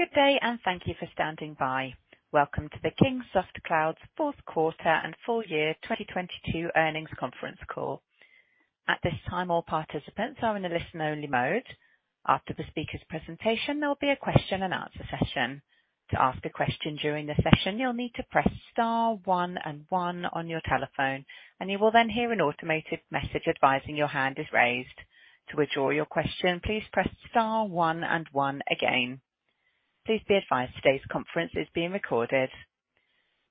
Good day and thank you for standing by. Welcome to the Kingsoft Cloud's fourth quarter and full year 2022 earnings conference call. At this time, all participants are in a listen-only mode. After the speaker's presentation, there'll be a question and answer session. To ask a question during the session, you'll need to press star one and one on your telephone, and you will then hear an automated message advising your hand is raised. To withdraw your question, please press star one and one again. Please be advised today's conference is being recorded.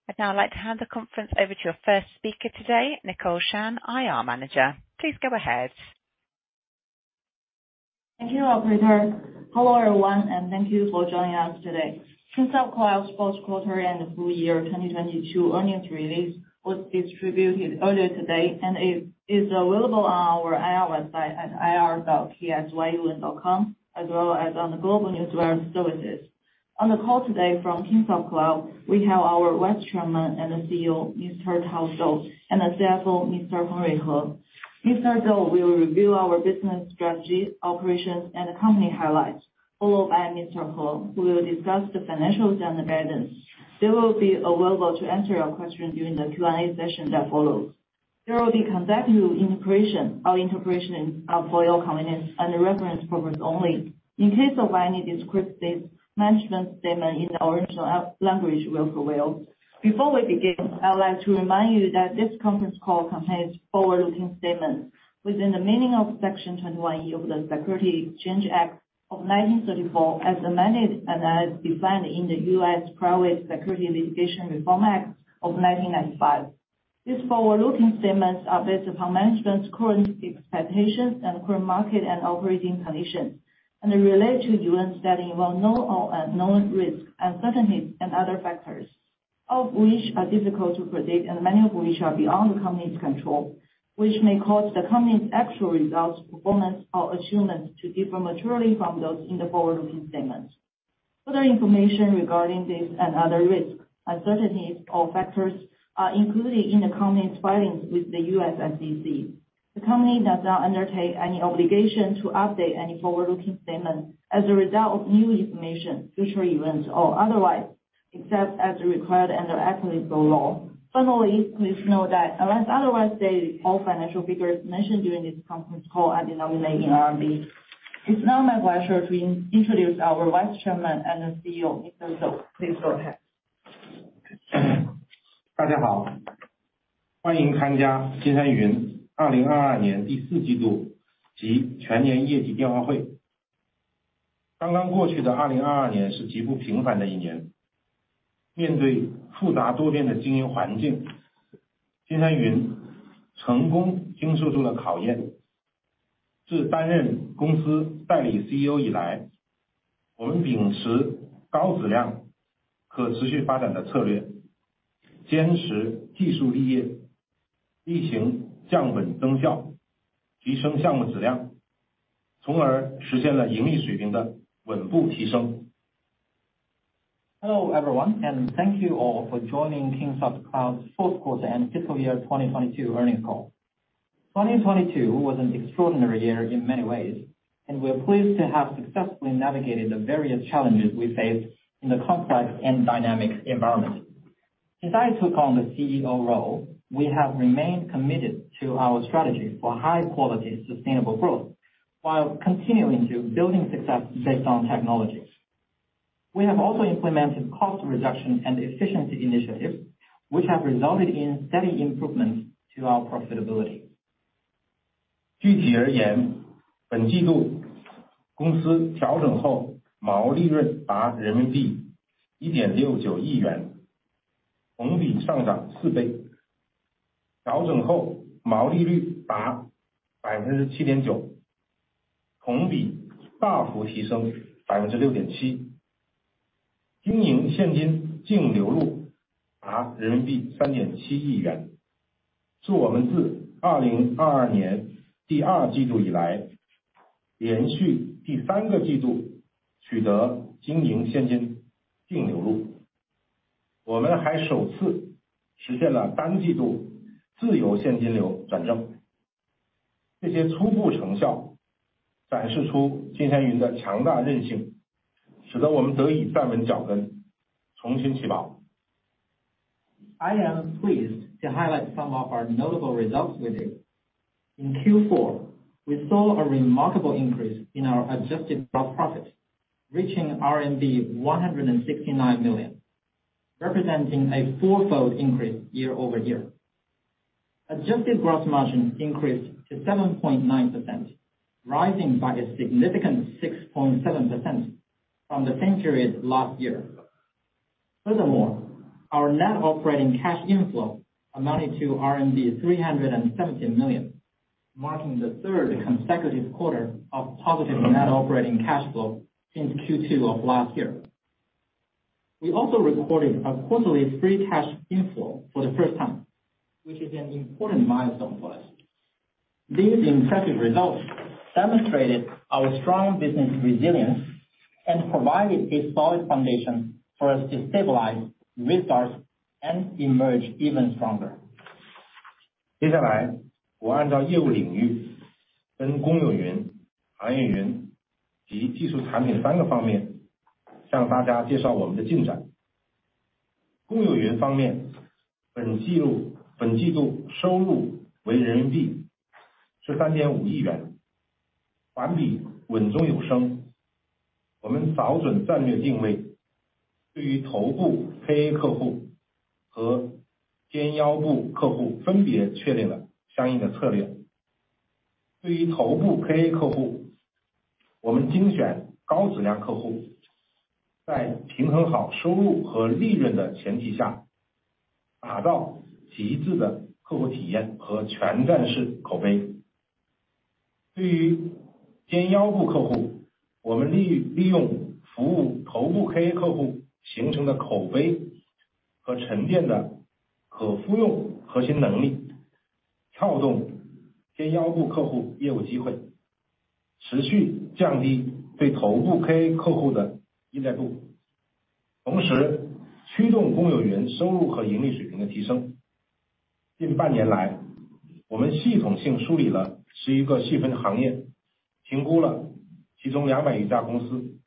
I'd now like to hand the conference over to your first speaker today, Nicole Shan, IR Manager. Please go ahead. Thank you, operator. Hello, everyone, and thank you for joining us today. Kingsoft Cloud's fourth quarter and full year 2022 earnings release was distributed earlier today, and it is available on our IR website at ir.ksyun.com, as well as on the global newswire services. On the call today from Kingsoft Cloud, we have our Vice Chairman and CEO, Mr. Tao Zou, and CFO, Mr. Henry He. Mr. Zou will review our business strategy, operations, and the company highlights, followed by Mr. He, who will discuss the financials and the guidance. They will be available to answer your questions during the Q&A session that follows. There will be consecutive interpretation or integration of all comments and references purposes only. In case of any discrepancies, management statement in the original language will prevail. Before we begin, I'd like to remind you that this conference call contains forward-looking statements within the meaning of Section 21E of the Securities Exchange Act of 1934 as amended and as defined in the U.S. Private Securities Litigation Reform Act of 1995. These forward-looking statements are based upon management's current expectations and current market and operating conditions. They relate to events that involve known or unknown risk, uncertainties, and other factors, all of which are difficult to predict and many of which are beyond the company's control, which may cause the company's actual results, performance, or assumptions to differ materially from those in the forward-looking statements. Further information regarding these and other risks, uncertainties or factors are included in the company's filings with the U.S. SEC. The company does not undertake any obligation to update any forward-looking statements as a result of new information, future events, or otherwise, except as required under applicable law. Finally, please note that unless otherwise stated, all financial figures mentioned during this conference call are denominated in RMB. It's now my pleasure to introduce our Vice Chairman and CEO, Mr. Zou. Please go ahead. Hello, everyone, and thank you all for joining Kingsoft Cloud's fourth quarter and fiscal year 2022 earnings call. 2022 was an extraordinary year in many ways, and we're pleased to have successfully navigated the various challenges we faced in the complex and dynamic environment. Since I took on the CEO role, we have remained committed to our strategy for high-quality, sustainable growth while continuing to building success based on technologies. We have also implemented cost reduction and efficiency initiatives, which have resulted in steady improvements to our profitability. I am pleased to highlight some of our notable results with you. In Q4, we saw a remarkable increase in our adjusted gross profits, reaching RMB 169 million, representing a four-fold increase year-over-year. Adjusted gross margin increased to 7.9%, rising by a significant 6.7% from the same period last year. Furthermore, our net operating cash inflow amounted to RMB 370 million, marking the third consecutive quarter of positive net operating cash flow since Q2 of last year. We also recorded a quarterly free cash inflow for the first time, which is an important milestone for us. These impressive results demonstrated our strong business resilience and provided a solid foundation for us to stabilize, restart, and emerge even stronger. 接下来我按照业务领域分公有云、行业云及技术产品三个方面向大家介绍我们的进展。公有云方 面， 本 季， 本季度收入为人民币十三点五亿 元， 环比稳中有升。我们找准战略定 位， 对于头部 KA 客户和肩腰部客户分别确定了相应的策略。对于头部 KA 客 户， 我们精选高质量客 户， 在平衡好收入和利润的前提 下， 打造极致的客户体验和全站式口碑。对于肩腰部客 户， 我们 利， 利用服务头部 KA 客户形成的口碑和沉淀的可复用核心能 力， 撬动肩腰部客户业务机 会， 持续降低对头部 KA 客户的依赖 度， 同时驱动公有云收入和盈利水平的提升。近半年 来， 我们系统性梳理了十一个细分行 业， 评估了其中两百余家公 司，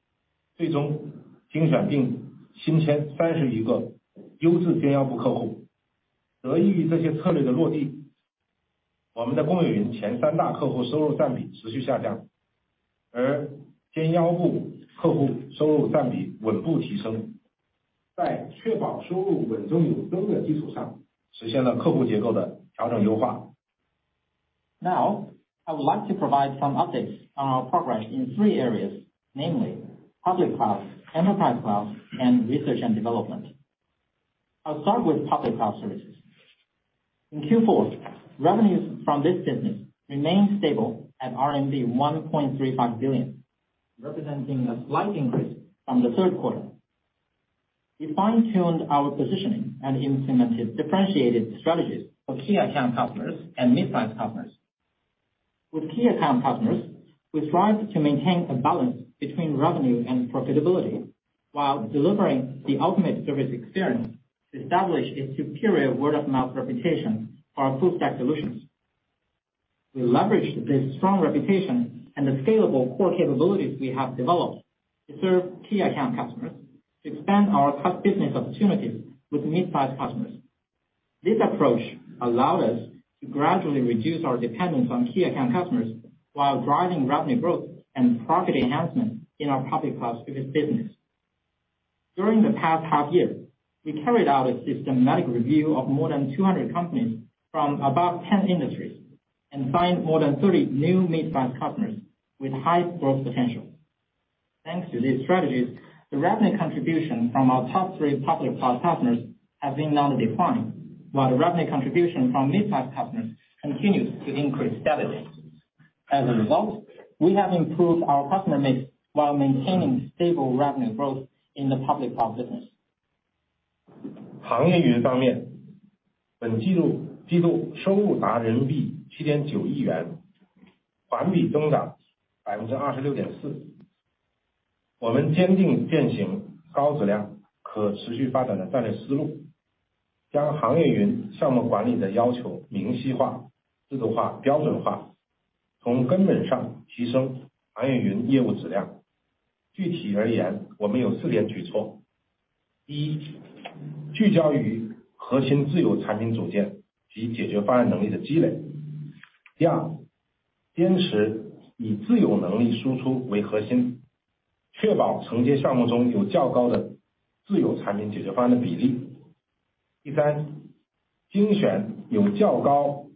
最终精选并新签三十一个优质肩腰部客户。得益于这些策略的落 地， 我们的公有云前三大客户收入占比持续下 降， 而肩腰部客户收入占比稳步提升。在确保收入稳中有增的基础上，实现了客户结构的调整优化。I would like to provide some updates on our progress in three areas, namely public cloud, enterprise cloud and research and development. I'll start with public cloud services. In Q4, revenues from this business remained stable at RMB 1.35 billion, representing a slight increase from the third quarter. We fine-tuned our positioning and implemented differentiated strategies of key account customers and mid-size customers. With key account customers, we strive to maintain a balance between revenue and profitability while delivering the ultimate service experience to establish a superior word of mouth reputation for our full stack solutions. We leverage this strong reputation and the scalable core capabilities we have developed to serve key account customers to expand our business opportunities with mid-size customers. This approach allows us to gradually reduce our dependence on key account customers while driving revenue growth and profit enhancement in our public cloud service business. During the past half year, we carried out a systematic review of more than 200 companies from about 10 industries, and signed more than 30 new mid-size customers with high growth potential. Thanks to these strategies, the revenue contribution from our top three public cloud customers has been slowly declining, while the revenue contribution from mid-size customers continues to increase steadily. As a result, we have improved our customer mix while maintaining stable revenue growth in the public cloud business. 行业云方 面， 本季 度， 季度收入达人民币七点九亿 元， 环比增长百分之二十六点四。我们坚定践行高质量可持续发展的战略思 路， 将行业云项目管理的要求明细化、制度化、标准 化， 从根本上提升行业云业务质量。具体而 言， 我们有四点举措。一、聚焦于核心自有产品组件及解决方案能力的积累。第二、坚持以自有能力输出为核心，确保承接项目中有较高的自有产品解决方案的比例。第三、精选有较高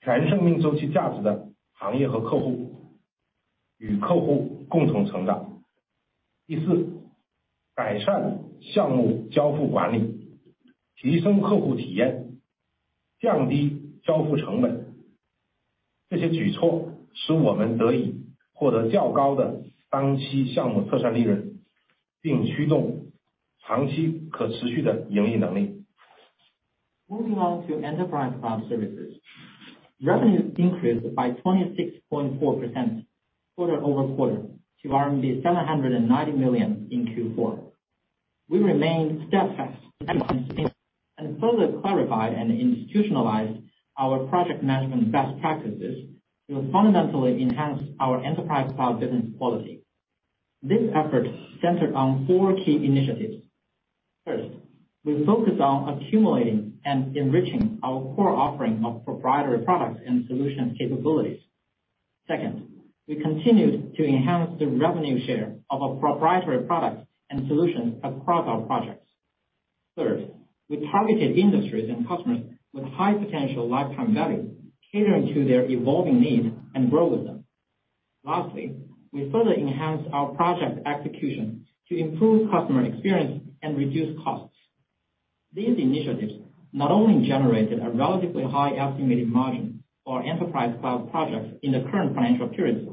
全生命周期价值的行业和客 户， 与客户共同成长。第四、改善项目交付管 理， 提升客户体 验， 降低交付成本。这些举措使我们得以获得较高的单期项目特产利 润， 并驱动长期可持续的盈利能力。Moving on to enterprise cloud services. Revenues increased by 26.4% quarter-over-quarter to RMB 790 million in Q4. We remain steadfast and further clarified and institutionalized our project management best practices to fundamentally enhance our enterprise cloud business quality. These efforts centered on four key initiatives. First, we focused on accumulating and enriching our core offering of proprietary products and solution capabilities. Second, we continued to enhance the revenue share of our proprietary products and solutions across our projects. Third, we targeted industries and customers with high potential lifetime value, catering to their evolving needs and grow with them. Lastly, we further enhanced our project execution to improve customer experience and reduce costs. These initiatives not only generated a relatively high estimated margin for enterprise cloud projects in the current financial period,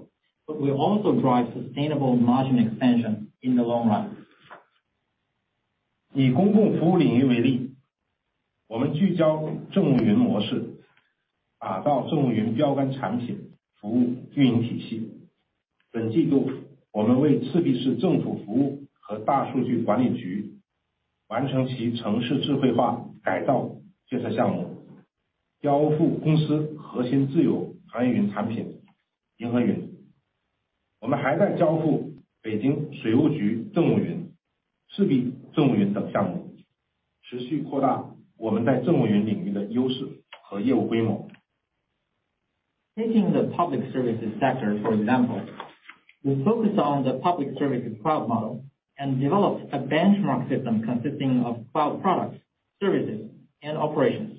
but will also drive sustainable margin expansion in the long run. 以公共服务领域为 例， 我们聚焦政务云模 式， 打造政务云标杆产品服务运营体系。本季 度， 我们为赤壁市政府服务和大数据管理局 -完 成其城市智慧化改造建设项 目， 交付公司核心自有行业云产品银河云。我们还在交付北京水务局政务云、市比政务云等项 目， 持续扩大我们在政务云领域的优势和业务规模。Taking the public services sector for example. We focus on the public service cloud model and develop a benchmark system consisting of cloud products, services and operations.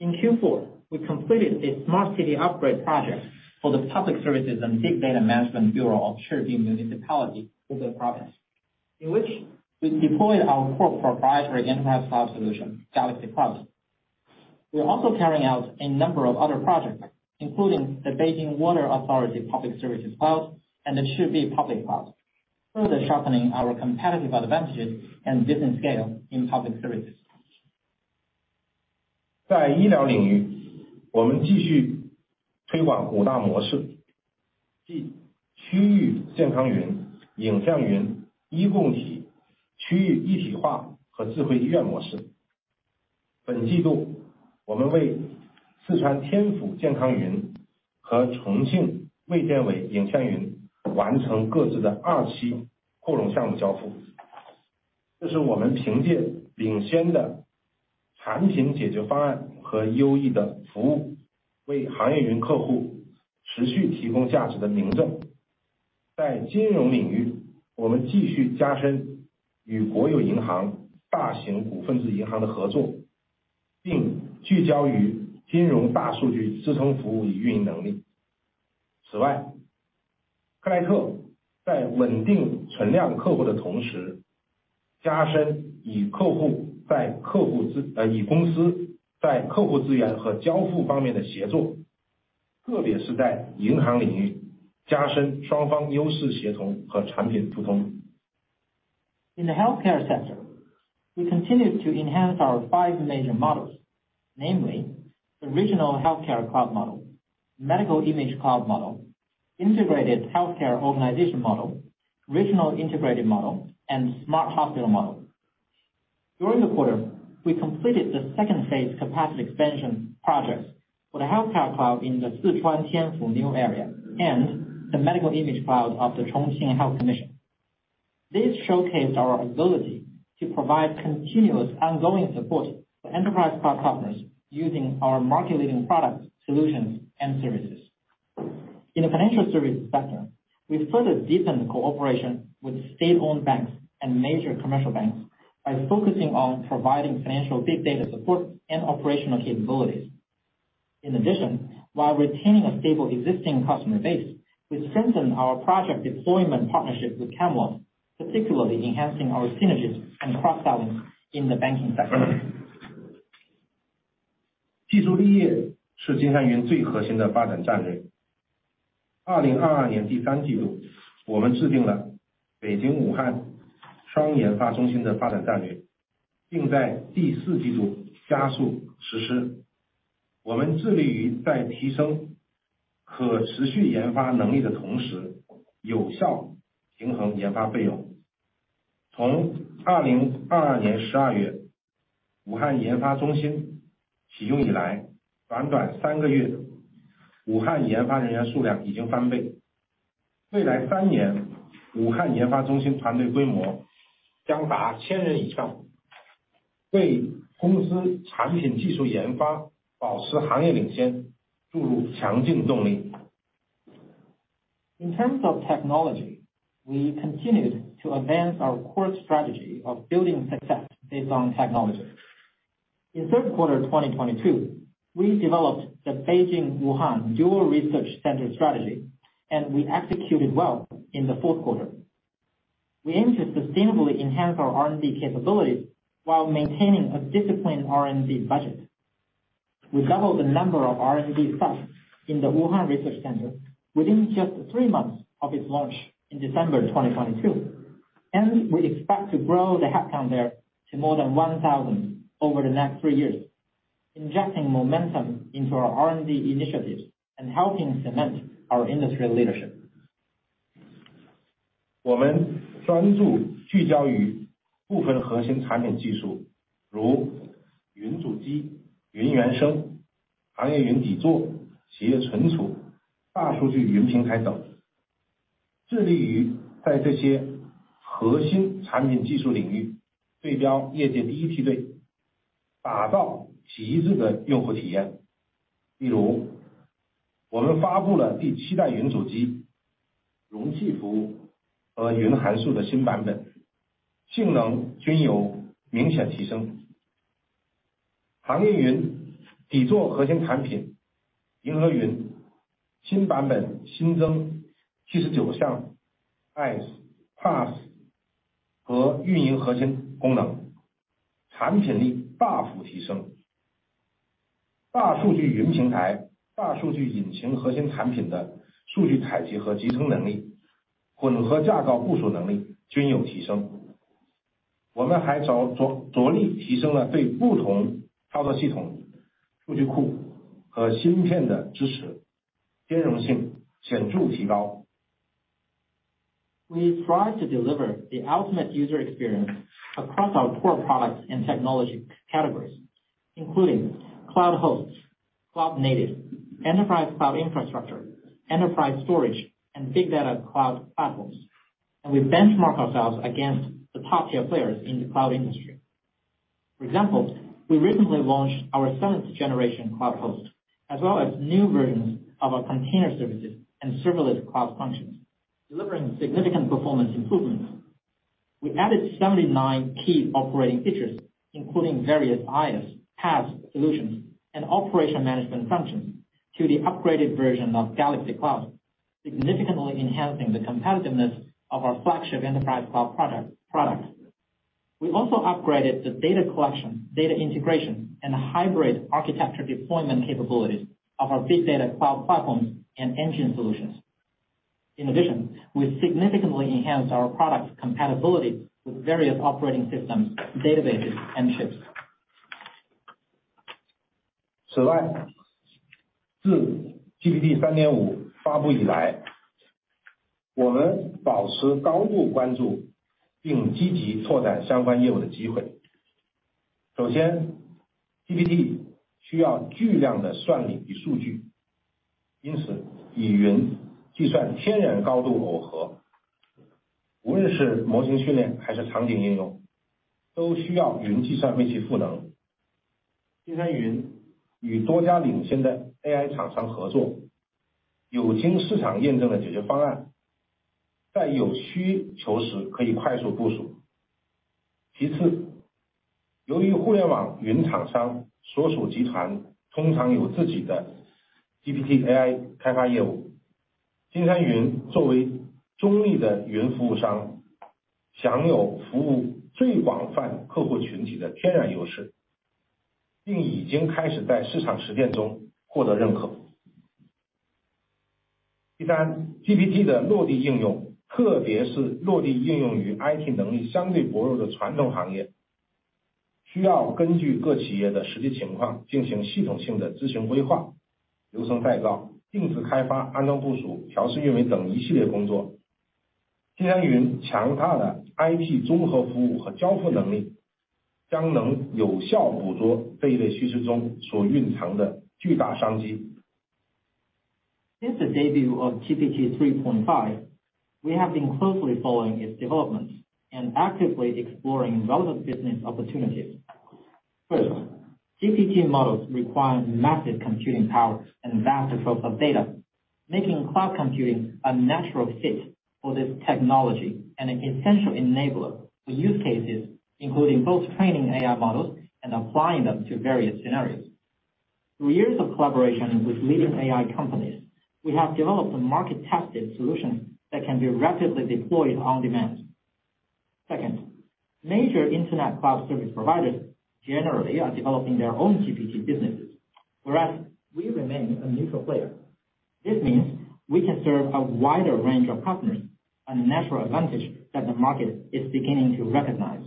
In Q4, we completed a smart city upgrade project for the Public Services and Big Data Management Bureau of Shishou Municipality, Hubei Province. In which we deployed our core proprietary enterprise cloud solution Galaxy Cloud. We are also carrying out a number of other projects, including the Beijing Water Authority Public Services Cloud and the Shibi Public Cloud, further sharpening our competitive advantages and business scale in public services. 在医疗领 域， 我们继续推广五大模 式， 即区域健康云、影像云、医共体、区域一体化和智慧医院模式。本季 度， 我们为四川天府健康云和重庆卫健委影像云完成各自的二期扩容项目交付。这是我们凭借领先的产品解决方案和优异的服 务， 为行业云客户持续提供价值的明证。在金融领 域， 我们继续加深与国有银行、大型股份制银行的合 作， 并聚焦于金融大数据支撑服务与运营能力。此外，盖特在稳定存量客户的同 时， 加深与公司在客户资源和交付方面的协 作， 特别是在银行领 域， 加深双方优势协同和产品互通。In the healthcare sector, we continue to enhance our five major models, namely the regional healthcare cloud model, medical image cloud model, integrated healthcare organization model, regional integrated model, and smart hospital model. During the quarter, we completed the second phase capacity expansion projects for the healthcare cloud in the Sichuan Tianfu New Area and the medical image cloud of the Chongqing Health Commission. This showcased our ability to provide continuous ongoing support for enterprise cloud customers using our market-leading products, solutions and services. In the financial service sector, we further deepen cooperation with state-owned banks and major commercial banks by focusing on providing financial big data support and operational capabilities. In addition, while retaining a stable existing customer base, we strengthen our project deployment partnership with Camelot, particularly enhancing our synergies and cross-selling in the banking sector. 技术立业是金山云最核心的发展战略。2022 年第三季 度， 我们制定了北京武汉双研发中心的发展战 略， 并在第四季度加速实施。我们致力于在提升可持续研发能力的同 时， 有效平衡研发费用。从2022年12月武汉研发中心启用以 来， 短短三个月，武汉研发人员数量已经翻倍。未来三 年， 武汉研发中心团队规模将达千人以 上， 为公司产品技术研发保持行业领 先， 注入强劲动力。In terms of technology, we continued to advance our core strategy of building success based on technology. In third quarter 2022, we developed the Beijing Wuhan Dual Research Center strategy. We executed well in the fourth quarter. We aim to sustainably enhance our R&D capabilities while maintaining a disciplined R&D budget. We doubled the number of R&D staff in the Wuhan Research Center within just three months of its launch in December 2022. We expect to grow the headcount there to more than 1,000 over the next three years, injecting momentum into our R&D initiatives and helping cement our industry leadership. 我们专注聚焦于部分核心产品技 术， 如云主机、云原生、行业云底座、企业存储、大数据云平台等。致力于在这些核心产品技术领域对标业界第一梯 队， 打造旗帜的用户体验。例如我们发布了第七代云主机容器服务和云函数的新版 本， 性能均有明显提升。行业云底座核心产品银河云新版本新增七十九项 IaaS、PaaS 和运营核心功 能， 产品力大幅提升。大数据云平台大数据引擎核心产品的数据采集和集成能力、混合架构部署能力均有提升。我们还着-着-着力提升了对不同操作系统、数据库和芯片的支 持， 兼容性显著提高。We thrive to deliver the ultimate user experience across our core products and technology categories, including cloud hosts, cloud native, enterprise cloud infrastructure, enterprise storage, and big data cloud platforms. We benchmark ourselves against the top tier players in the cloud industry. For example, we recently launched our 7th-generation cloud host, as well as new versions of our container services and serverless cloud functions, delivering significant performance improvements. We added 79 key operating features, including various IaaS, PaaS solutions, and operation management functions to the upgraded version of Galaxy Cloud, significantly enhancing the competitiveness of our flagship enterprise cloud products. We also upgraded the data collection, data integration, and hybrid architecture deployment capabilities of our big data cloud platforms and engine solutions. In addition, we significantly enhanced our product compatibility with various operating systems, databases, and chips. Since the debut of GPT 3.5, we have been closely following its developments and actively exploring relevant business opportunities. First, one, GPT models require massive computing power and vast troves of data, making cloud computing a natural fit for this technology and an essential enabler for use cases including both training AI models and applying them to various scenarios. Through years of collaboration with leading AI companies, we have developed a market-tested solution that can be rapidly deployed on demand. Second, major internet cloud service providers generally are developing their own GPT businesses, whereas we remain a neutral player. This means we can serve a wider range of customers, a natural advantage that the market is beginning to recognize.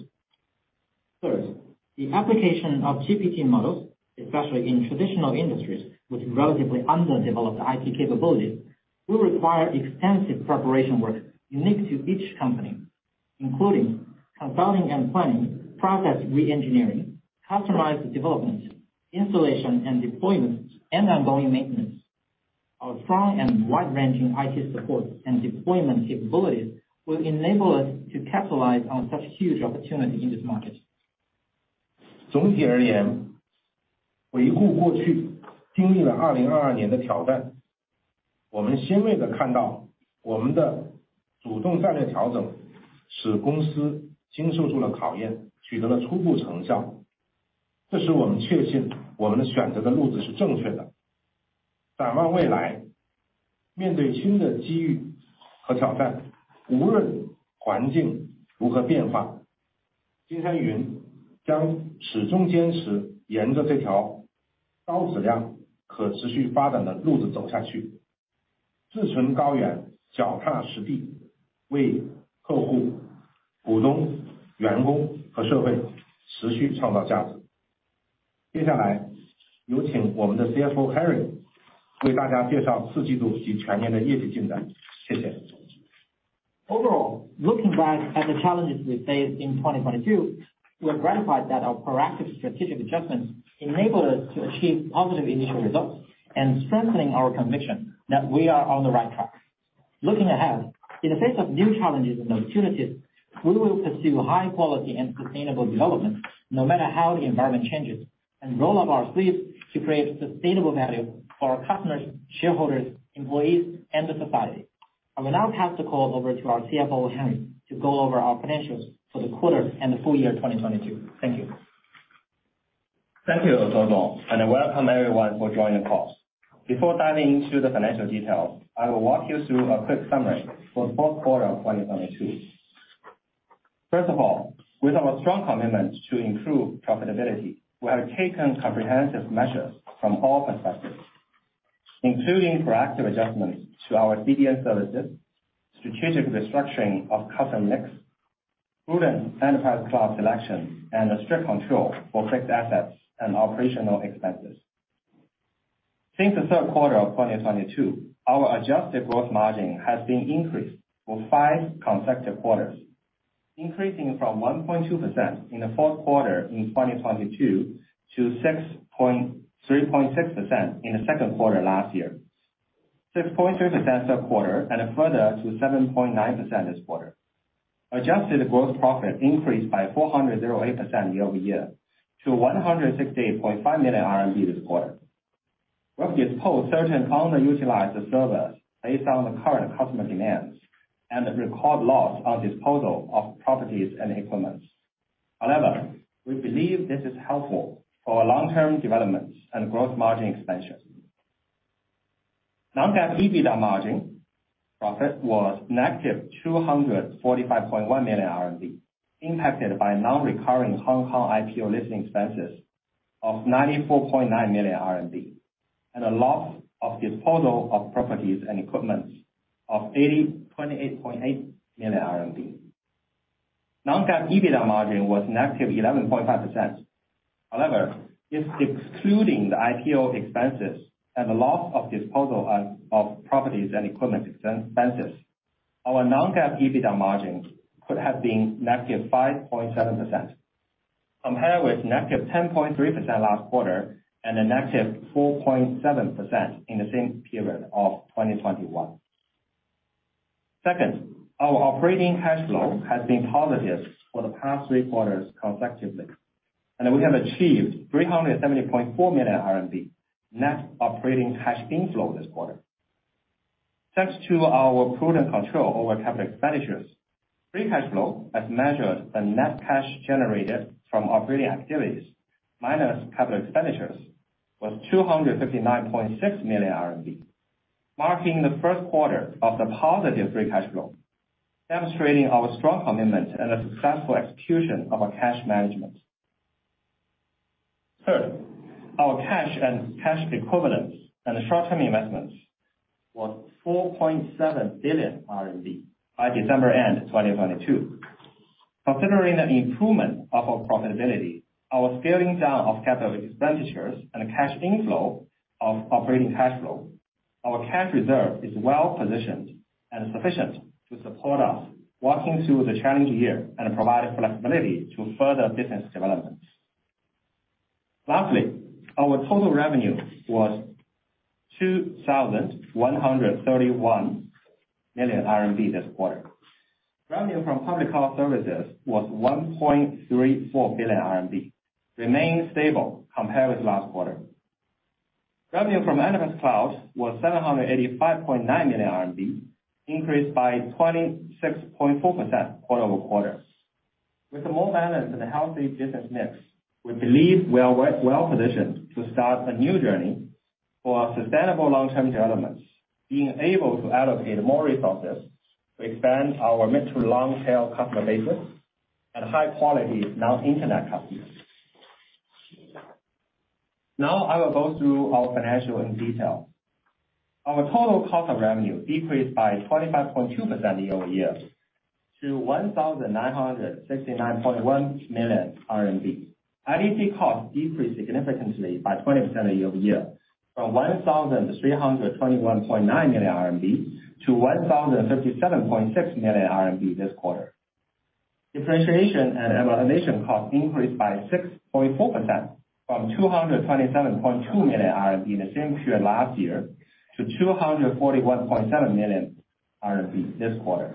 Third, the application of GPT models, especially in traditional industries with relatively underdeveloped IT capabilities, will require extensive preparation work unique to each company, including consulting and planning, process re-engineering, customized development, installation and deployment, and ongoing maintenance. Our strong and wide-ranging IT support and deployment capabilities will enable us to capitalize on such huge opportunity in this market. Overall, looking back at the challenges we faced in 2022, we are gratified that our proactive strategic adjustments enable us to achieve positive initial results and strengthening our conviction that we are on the right track. Looking ahead, in the face of new challenges and opportunities, we will pursue high quality and sustainable development, no matter how the environment changes, and roll up our sleeves to create sustainable value for our customers, shareholders, employees, and the society. I will now pass the call over to our CFO, Henry, to go over our financials for the quarter and the full year 2022. Thank you. Thank you, Tao Zou. I welcome everyone for joining the call. Before diving into the financial details, I will walk you through a quick summary for the fourth quarter of 2022. First of all, with our strong commitment to improve profitability, we have taken comprehensive measures from all perspectives, including proactive adjustments to our CDN services, strategic restructuring of custom mix, prudent enterprise cloud selection, and a strict control for fixed assets and operational expenses. Since the third quarter of 2022, our adjusted growth margin has been increased for five consecutive quarters, increasing from 1.2% in the fourth quarter in 2022 to 3.6% in the second quarter last year. 6.3% third quarter and further to 7.9% this quarter. Adjusted gross profit increased by 408% year-over-year to RMB 168.5 million this quarter. Revenue post certain underutilized service based on the current customer demands and record loss on disposal of properties and equipments. However, we believe this is helpful for long-term developments and growth margin expansion. Non-GAAP EBITDA margin profit was negative 245.1 million RMB, impacted by a non-recurring Hong Kong IPO listing expenses of 94.9 million RMB, and a loss of disposal of properties and equipments of 28.8 million RMB. Non-GAAP EBITDA margin was -11.5%. If excluding the IPO expenses and the loss of disposal of properties and equipment expenses, our non-GAAP EBITDA margin could have been -5.7% compared with -10.3% last quarter and a -4.7% in the same period of 2021. Our operating cash flow has been positive for the past three quarters consecutively, and we have achieved 370.4 million RMB net operating cash inflow this quarter. Thanks to our prudent control over capital expenditures, free cash flow has measured the net cash generated from operating activities minus capital expenditures was 259.6 million RMB, marking the first quarter of the positive free cash flow, demonstrating our strong commitment and the successful execution of our cash management. Our cash and cash equivalents and short-term investments was 4.7 billion RMB by December end 2022. Considering the improvement of our profitability, our scaling down of capital expenditures and cash inflow of operating cash flow, our cash reserve is well positioned and sufficient to support us walking through the challenging year and provide flexibility to further business development. Our total revenue was 2,131 million RMB this quarter. Revenue from public cloud services was 1.34 billion RMB, remaining stable compared with last quarter. Revenue from enterprise cloud was 785.9 million RMB, increased by 26.4% quarter-over-quarter. With a more balanced and healthy business mix, we believe we are well positioned to start a new journey for our sustainable long-term development. Being able to allocate more resources to expand our mid to long tail customer bases and high quality non-Internet companies. Now I will go through our financial in detail. Our total cost of revenue decreased by 25.2% year-over-year to 1,969.1 million RMB. R&D costs decreased significantly by 20% year-over-year from 1,321.9 million-1,037.6 million RMB this quarter. Differentiation and evaluation costs increased by 6.4% from 227.2 million RMB in the same period last year to 241.7 million RMB this quarter.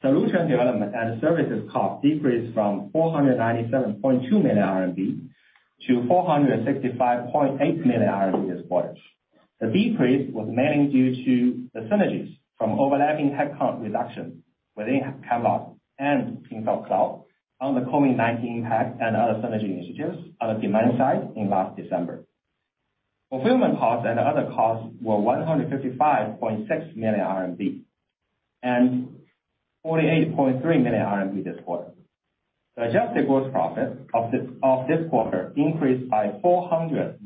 Solution development and services cost decreased from 497.2 million-465.8 million RMB this quarter. The decrease was mainly due to the synergies from overlapping headcount reduction within Camelot and PingFei Cloud on the COVID-19 impact and other synergy initiatives on the demand side in last December. Fulfillment costs and other costs were 155.6 million RMB and 48.3 million RMB this quarter. The adjusted gross profit of this quarter increased by 408%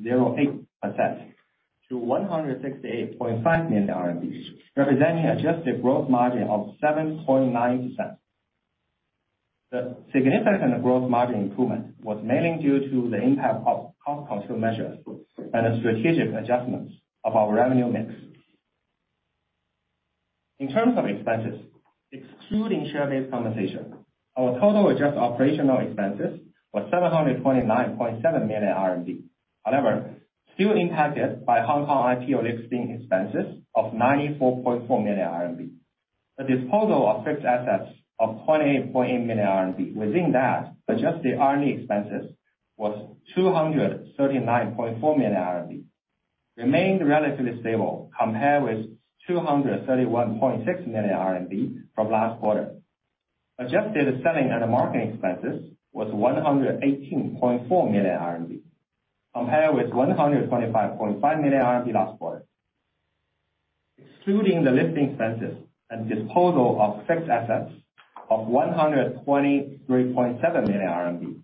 to 168.5 million RMB, representing adjusted gross margin of 7.9%. The significant gross margin improvement was mainly due to the impact of cost control measures and the strategic adjustments of our revenue mix. In terms of expenses, excluding share-based compensation, our total adjusted operational expenses was 729.7 million RMB. Still impacted by Hong Kong IPO listing expenses of 94.4 million RMB. The disposal of fixed assets of 28.8 million RMB. Within that, adjusted R&D expenses was 239.4 million RMB, remained relatively stable compared with 231.6 million RMB from last quarter. Adjusted selling and marketing expenses was 118.4 million RMB compared with 125.5 million RMB last quarter. Excluding the listing expenses and disposal of fixed assets of 123.7 million RMB,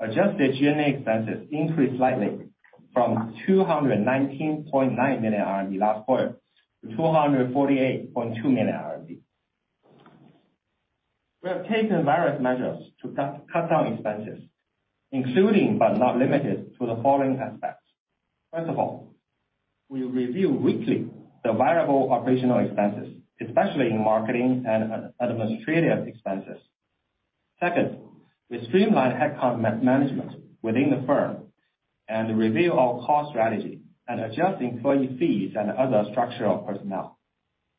adjusted G&A expenses increased slightly from 219.9 million RMB last quarter to 248.2 million RMB. We have taken various measures to cut down expenses, including, but not limited to the following aspects. First of all, we review weekly the variable operational expenses, especially in marketing and administrative expenses. Second, we streamline headcount management within the firm and review our cost strategy and adjust employee fees and other structural personnel.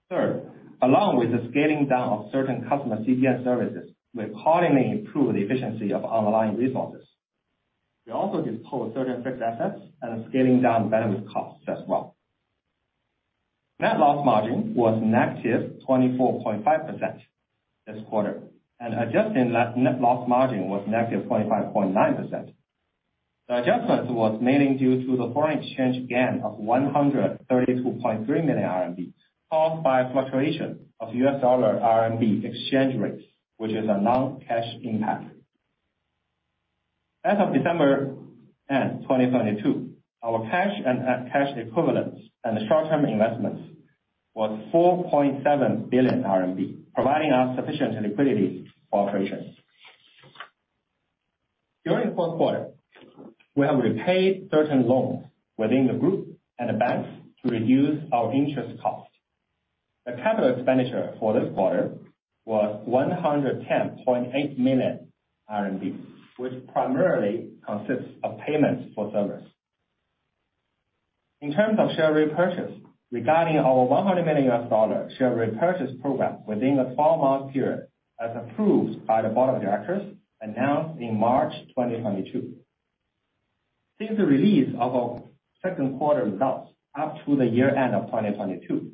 Third, along with the scaling down of certain customer CDN services, we're hardly improve the efficiency of underlying resources. We also dispose certain fixed assets and scaling down bandwidth costs as well. Net loss margin was -24.5% this quarter, and adjusted net loss margin was -25.9%. The adjustment was mainly due to the foreign exchange gain of 132.3 million RMB, caused by fluctuation of U.S. dollar RMB exchange rates, which is a non-cash impact. As of December 10, 2022, our cash and cash equivalents and short-term investments was 4.7 billion RMB, providing us sufficient liquidity for operations. During the fourth quarter, we have repaid certain loans within the group and the banks to reduce our interest costs. The capital expenditure for this quarter was 110.8 million RMB, which primarily consists of payments for servers. In terms of share repurchase, regarding our $100 million share repurchase program within a 12-month period, as approved by the board of directors, announced in March 2022. Since the release of our second quarter results up to the year-end of 2022,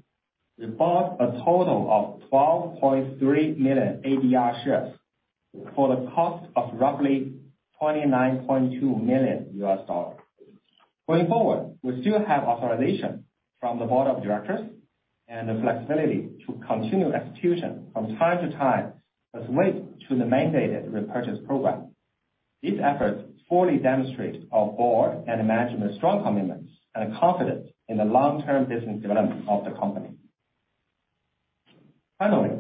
we bought a total of 12.3 million ADR shares for the cost of roughly $29.2 million. Going forward, we still have authorization from the board of directors and the flexibility to continue execution from time to time as weight to the mandated repurchase program. These efforts fully demonstrate our board and management's strong commitment and confidence in the long-term business development of the company. Finally,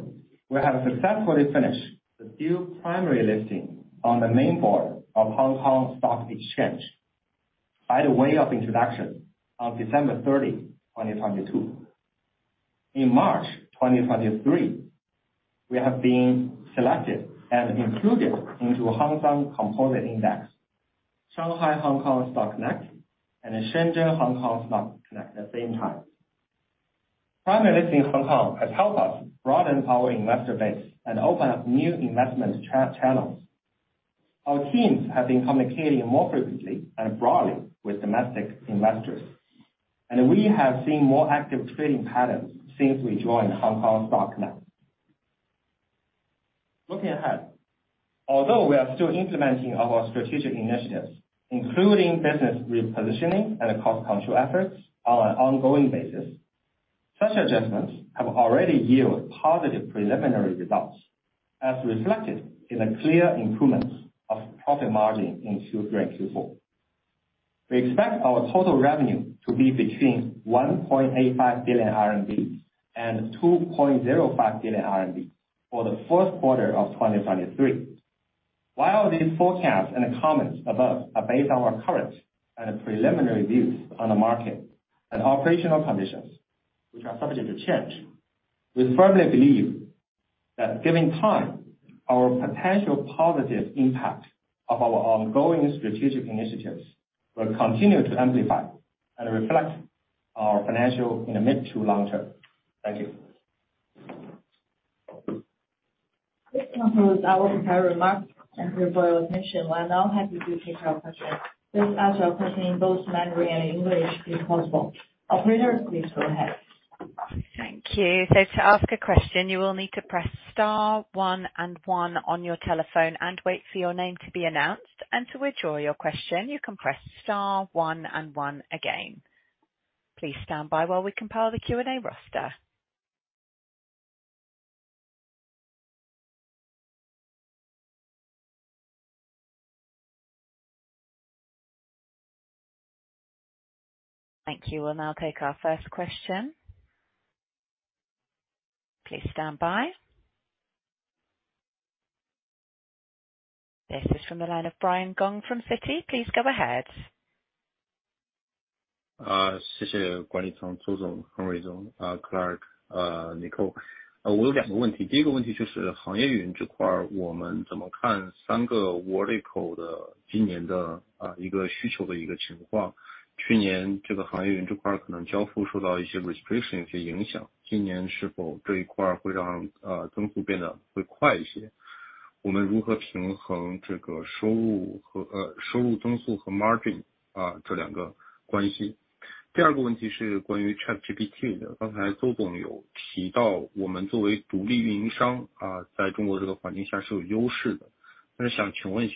we have successfully finished the dual primary listing on the main board of Hong Kong Stock Exchange by the way of introduction on December 30, 2022. In March 2023, we have been selected and included into Hang Seng Composite Index, Shanghai-Hong Kong Stock Connect, and Shenzhen-Hong Kong Stock Connect at the same time. Primary listing in Hong Kong has helped us broaden our investor base and open up new investment channels. Our teams have been communicating more frequently and broadly with domestic investors. We have seen more active trading patterns since we joined Hong Kong Stock Connect. Looking ahead, although we are still implementing our strategic initiatives, including business repositioning and cost control efforts on an ongoing basis, such adjustments have already yielded positive preliminary results, as reflected in the clear improvements of profit margin in Q3 and Q4. We expect our total revenue to be between 1.85 billion RMB and 2.05 billion RMB for the first quarter of 2023, while these forecasts and comments above are based on our current and preliminary views on the market and operational conditions, which are subject to change. We firmly believe that given time, our potential positive impact of our ongoing strategic initiatives will continue to amplify and reflect our financial in the mid to long term. Thank you. This concludes our prepared remarks. Thank you for your attention. We'll now happy to take your questions. Please ask your question in both Mandarin and English if possible. Operator, please go ahead. Thank you. To ask a question, you will need to press star one and one on your telephone and wait for your name to be announced. To withdraw your question, you can press star one and one again. Please stand by while we compile the Q&A roster. Thank you. We'll now take our first question. Please stand by. This is from the line of Brian Gong from Citi. Please go ahead. Uh, 如果企业使用他们的模型，是不是会更倾向于用他们的云服务？好，谢谢，就这两个问题。I will translate myself. Thanks management for taking my question. I have two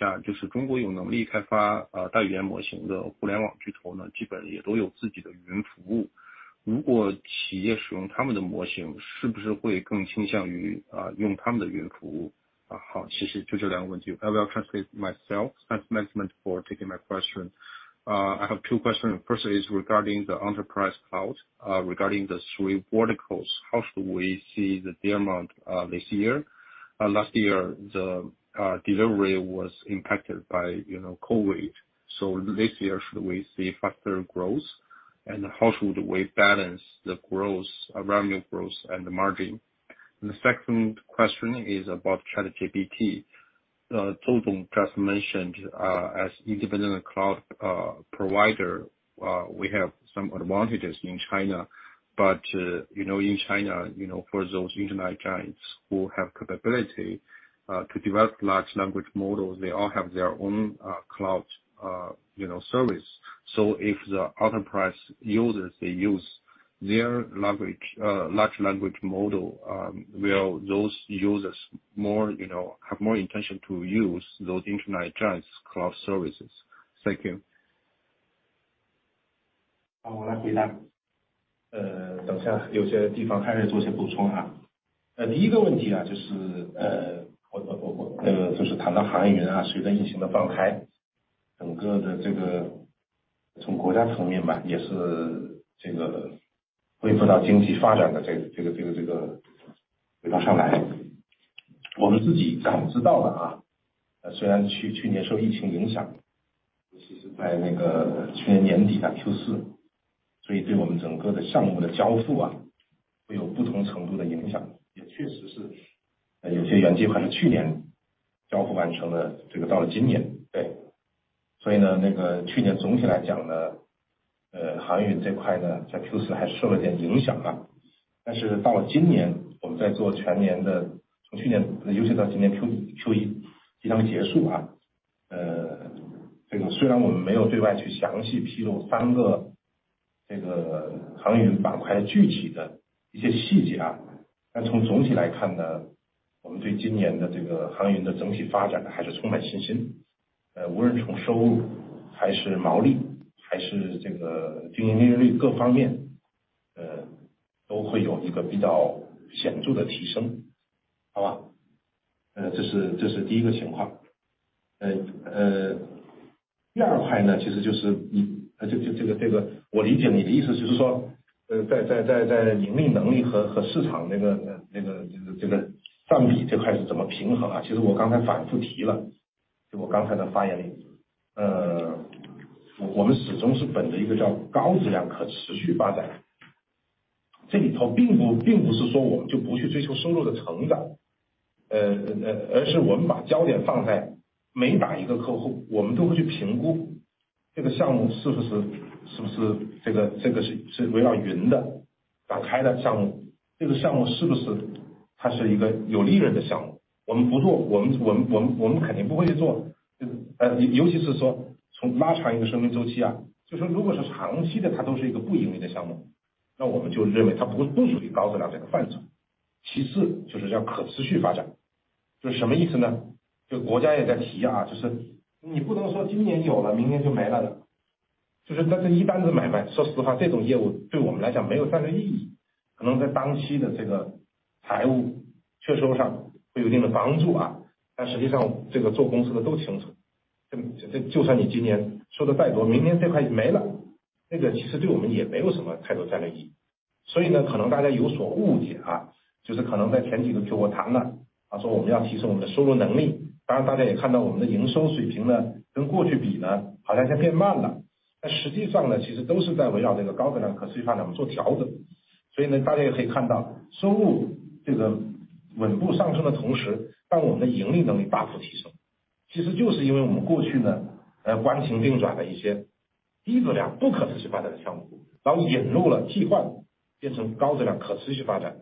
questions. First is regarding the enterprise cloud, regarding the three verticals. How should we see the amount this year? Last year the delivery was impacted by, you know, COVID. This year should we see faster growth? How should we balance the growth, revenue growth and margin? The second question is about ChatGPT. Tao Zou just mentioned as independent cloud provider. We have some advantages in China. You know, in China, you know, for those internet giants who have capability to develop large language models, they all have their own clouds, you know, service. If the enterprise users, they use their large language model, will those users more you know have more intention to use those internet giants cloud services. Thank you. 好， 我来回答。等下有些地方还得做些补充啊。第一个问题 啊， 就是 呃， 我我我我那 个， 就是谈到航运 啊， 随着疫情的放 开， 整个的这个从国家层面 吧， 也是这个恢复到经济发展的这 个， 这个这个这个轨道上来。我们自己感知到了 啊， 虽然去去年受疫情影 响， 尤其是在那个去年年底 Q 四， 所以对我们整个的项目的交付啊会有不同程度的影 响， 也确实是有些原计划是去年交付完成 了， 这个到了今年。对。所以 呢， 那个去年总体来讲 呢， 航运这块 呢， 在 Q 四还受了点影响啊。但是到了今 年， 我们在做全年 的， 从去年优秀到今年 Q 一已经结束啊。呃， 这个虽然我们没有对外去详细披露三个这个航运板块具体的一些细节 啊， 但从总体来看呢，我们对今年的这个航运的整体发展还是充满信心。呃， 无论从收入还是毛利还是这个经营利润率各方 面， 呃， 都会有一个比较显著的提升。好 吧， 这 是， 这是第一个情况。呃 呃， 第二块 呢， 其实就是 你， 就就这个这个我理解你的意思就是说在在在在盈利能力和市场这个这个这个占比这块是怎么平衡。其实我刚才反复提 了， 就我刚才的发言 里， 呃， 我我们始终是本着一个叫高质量可持续发 展， 这里头并不并不是说我们就不去追求收入的成 长， 呃呃 呃， 而是我们把焦点放在每打一个客 户， 我们都会去评估这个项目是不 是， 是不是这 个， 这个是围绕云的打开的项 目， 这个项目是不是它是一个有利润的项 目， 我们不 做， 我们我们我们肯定不会去做。尤其是说从拉长一个生命周期 啊， 就是说如果是长期 的， 它都是一个不盈利的项 目， 那我们就认为它不会归属于高质量这个范畴。其次就是叫可持续发展。这是什么意思 呢？ 这个国家也在提 啊， 就是你不能说今年有 了， 明年就没了。就是这这一般的买 卖， 说实话这种业务对我们来讲没有战略意 义， 可能在当期的这个财务收入上会有一定的帮助 啊， 但实际上这个做公司的都清 楚， 就算你今年做的再 多， 明年这块没 了， 这个其实对我们也没有什么太多战略意义。所以 呢， 可能大家有所误解 啊， 就是可能在前几个月我谈 了， 说我们要提升我们的收入能力。当然大家也看到我们的营收水平 呢， 跟过去比 呢， 好像变慢 了， 但实际上 呢， 其实都是在围绕这个高质量可持续发展做调整。所以 呢， 大家也可以看 到， 收入这个稳步上升的同 时， 但我们的盈利能力大幅提 升， 其实就是因为我们过去 呢， 呃， 关停并转了一些低质量不可持续发展的项 目， 然后引入了替 换， 变成高质量可持续发展。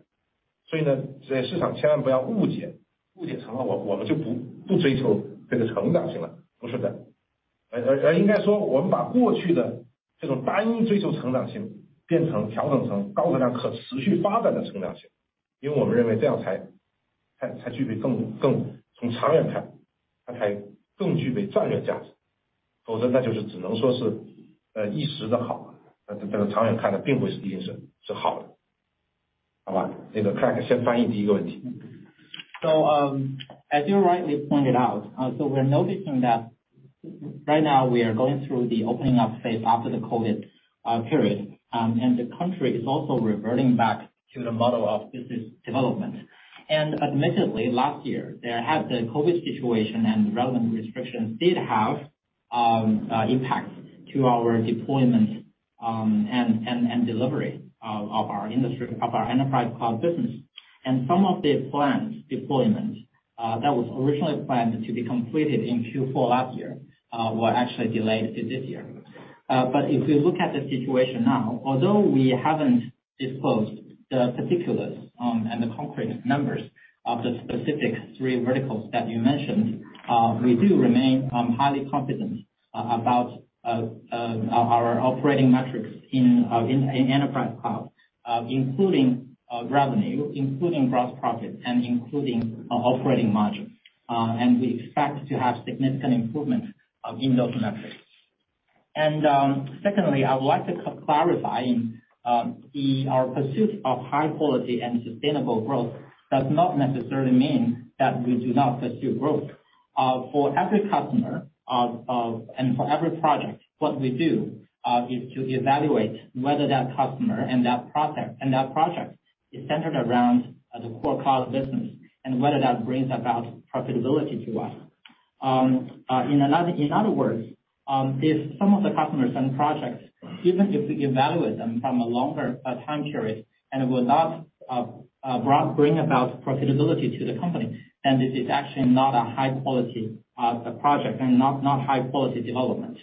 所以 呢， 在市场千万不要误 解， 误解成了我我们就不不追求这个成长性了。不是的。而应该说我们把过去的这种单一追求成长性变成调整成高质量可持续发展的成长性，因为我们认为这样才才具备更更从长远 看， 它才更具备战略价 值， 否则那就是只能说是 呃， 一时的 好， 这个长远看了并不是一定是好。好 吧， 这个 Crack 先翻译第一个问题。As you rightly pointed out. We are noticing that right now we are going through the opening up phase after the COVID period. The country is also reverting back to the model of business development. Admittedly last year there had the COVID situation and relevant restrictions did have impact to our deployment and delivery of our industry of our enterprise cloud business. Some of the planned deployment that was originally planned to be completed in Q4 last year were actually delayed to this year. If we look at the situation now although we haven't disclosed the particulars and the concrete numbers of the specific three verticals that you mentioned, we do remain highly confident about our operating metrics in enterprise cloud Including revenue, including gross profit and including operating margin. We expect to have significant improvement in those metrics. Secondly, I would like to clarifying the our pursuit of high quality and sustainable growth does not necessarily mean that we do not pursue growth. For every customer of and for every project, what we do is to evaluate whether that customer and that project is centered around the core cloud business and whether that brings about profitability to us. In another, in other words, if some of the customers and projects, even if we evaluate them from a longer time period and will not bring about profitability to the company, then it is actually not a high quality project and not high quality development.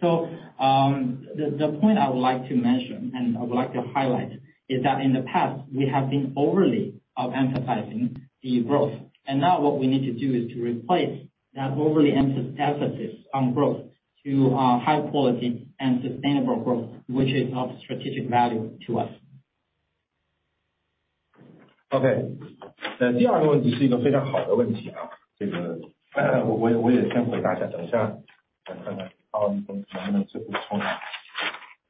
The point I would like to mention and I would like to highlight is that in the past, we have been overly emphasizing the growth, and now what we need to do is to replace that overly emphasis on growth to a high quality and sustainable growth, which is of strategic value to us. OK。第二个问题是一个非常好的问题 啊， 这个我也我也先回答一 下， 等一下看看 Aaron 能不能再补充。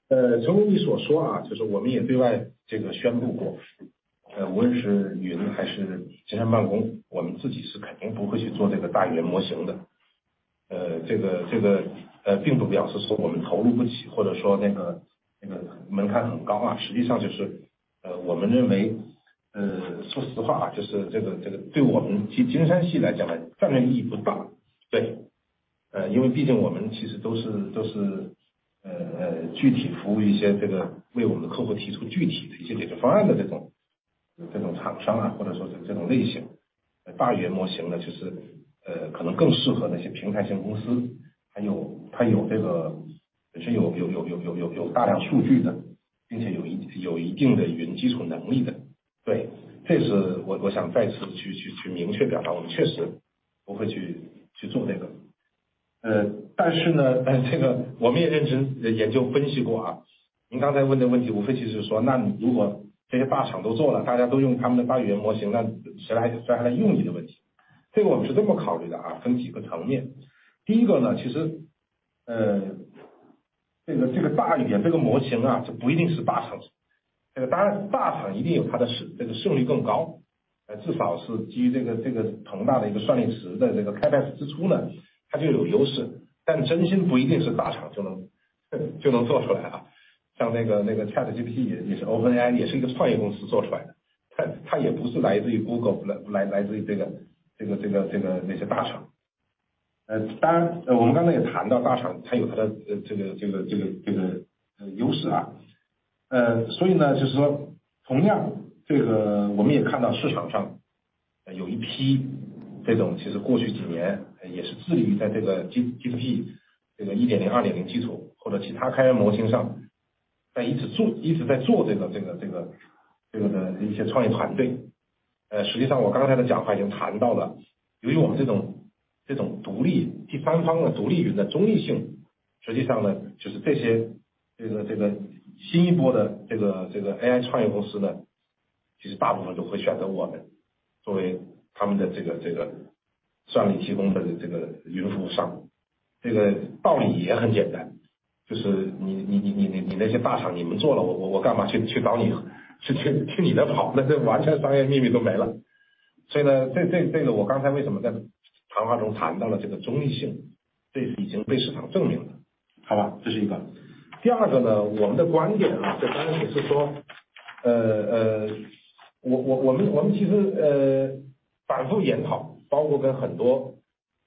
呃从你所说 啊， 就是我们也对外这个宣布 过， 无论是云还是金山办 公， 我们自己是肯定不会去做这个大语言模型的。呃这 个， 这个呃并不表示说我们投入不 起， 或者说那 个， 那个门槛很高 啊， 实际上就是呃我们认 为， 呃， 说实 话， 就是这 个， 这个对我们金山系来讲 呢， 战略意义不大。对。因为毕竟我们其实都 是， 都是 呃， 呃， 具体服务一些这个为我们的客户提出具体的一些解决方案的这 种， 这种厂商 啊， 或者说是这种类型。大语言模型 呢， 其实呃可能更适合那些平台型公司，它 有， 它有这 个， 有有有有有大量数据 的， 并且 有， 有一定的云基础能力的。对。这是我想再次去去去明确表 达， 我们确实不会去做那个。呃但是 呢， 这个我们也认真研究分析过啊。您刚才问的问 题， 无非就是 说， 那如果这些大厂都做 了， 大家都用他们的大语言模 型， 那谁还谁还用你的问题。这个我们是这么考虑的 啊， 分几个层面。第一个 呢， 其实 呃， 这 个， 这个大语言这个模型 啊， 这不一定是大 厂， 当然大厂一定有它 的， 这个胜率更 高， 至少是基于这 个， 这个庞大的一个算力池的这个 CapEx 支出 呢， 它就有优 势， 但真心不一定是大厂就 能， 就能做出来啊。像那 个， 那个 ChatGPT 也是 OpenAI， 也是一个创业公司做出来 的， 它， 它也不是来自于 Google， 来， 来， 来自于这 个， 这 个， 这 个， 这个那些大厂。呃当然我们刚才也谈到大厂它有它的这 个， 这 个， 这 个， 这个优势啊。呃所以 呢， 就是说同样这个我们也看到市场上有一批这 种， 其实过去几年也是致力于在这个 GPT， 这个一点零二点零基础或者其他开源模型 上， 在一直 做， 一直在做这 个， 这 个， 这 个， 这个的一些创业团队。呃实际上我刚才的讲话已经谈到 了， 由于我们这种，这种独立第三方的独立于的中立 性， 实际上 呢， 就是这 些， 这 个， 这个新一波的这 个， 这个 AI 创业公司 呢， 其实大部分都会选择我们作为他们的这 个， 这个算力提供方的这个云服务商。这个道理也很简 单， 就是你你你你你那些大厂你们做 了， 我干嘛去找 你， 去去去你那 跑， 那就完全商业秘密都没了。所以 呢， 这这这个我刚才为什么在谈话中谈到了这个中立 性， 这已经被市场证明了。好 吧， 这是一个。第二个 呢， 我们的观点 啊， 这观点是 说， 呃 呃， 我我 们， 我们其实 呃， 反复研 讨， 包括跟很多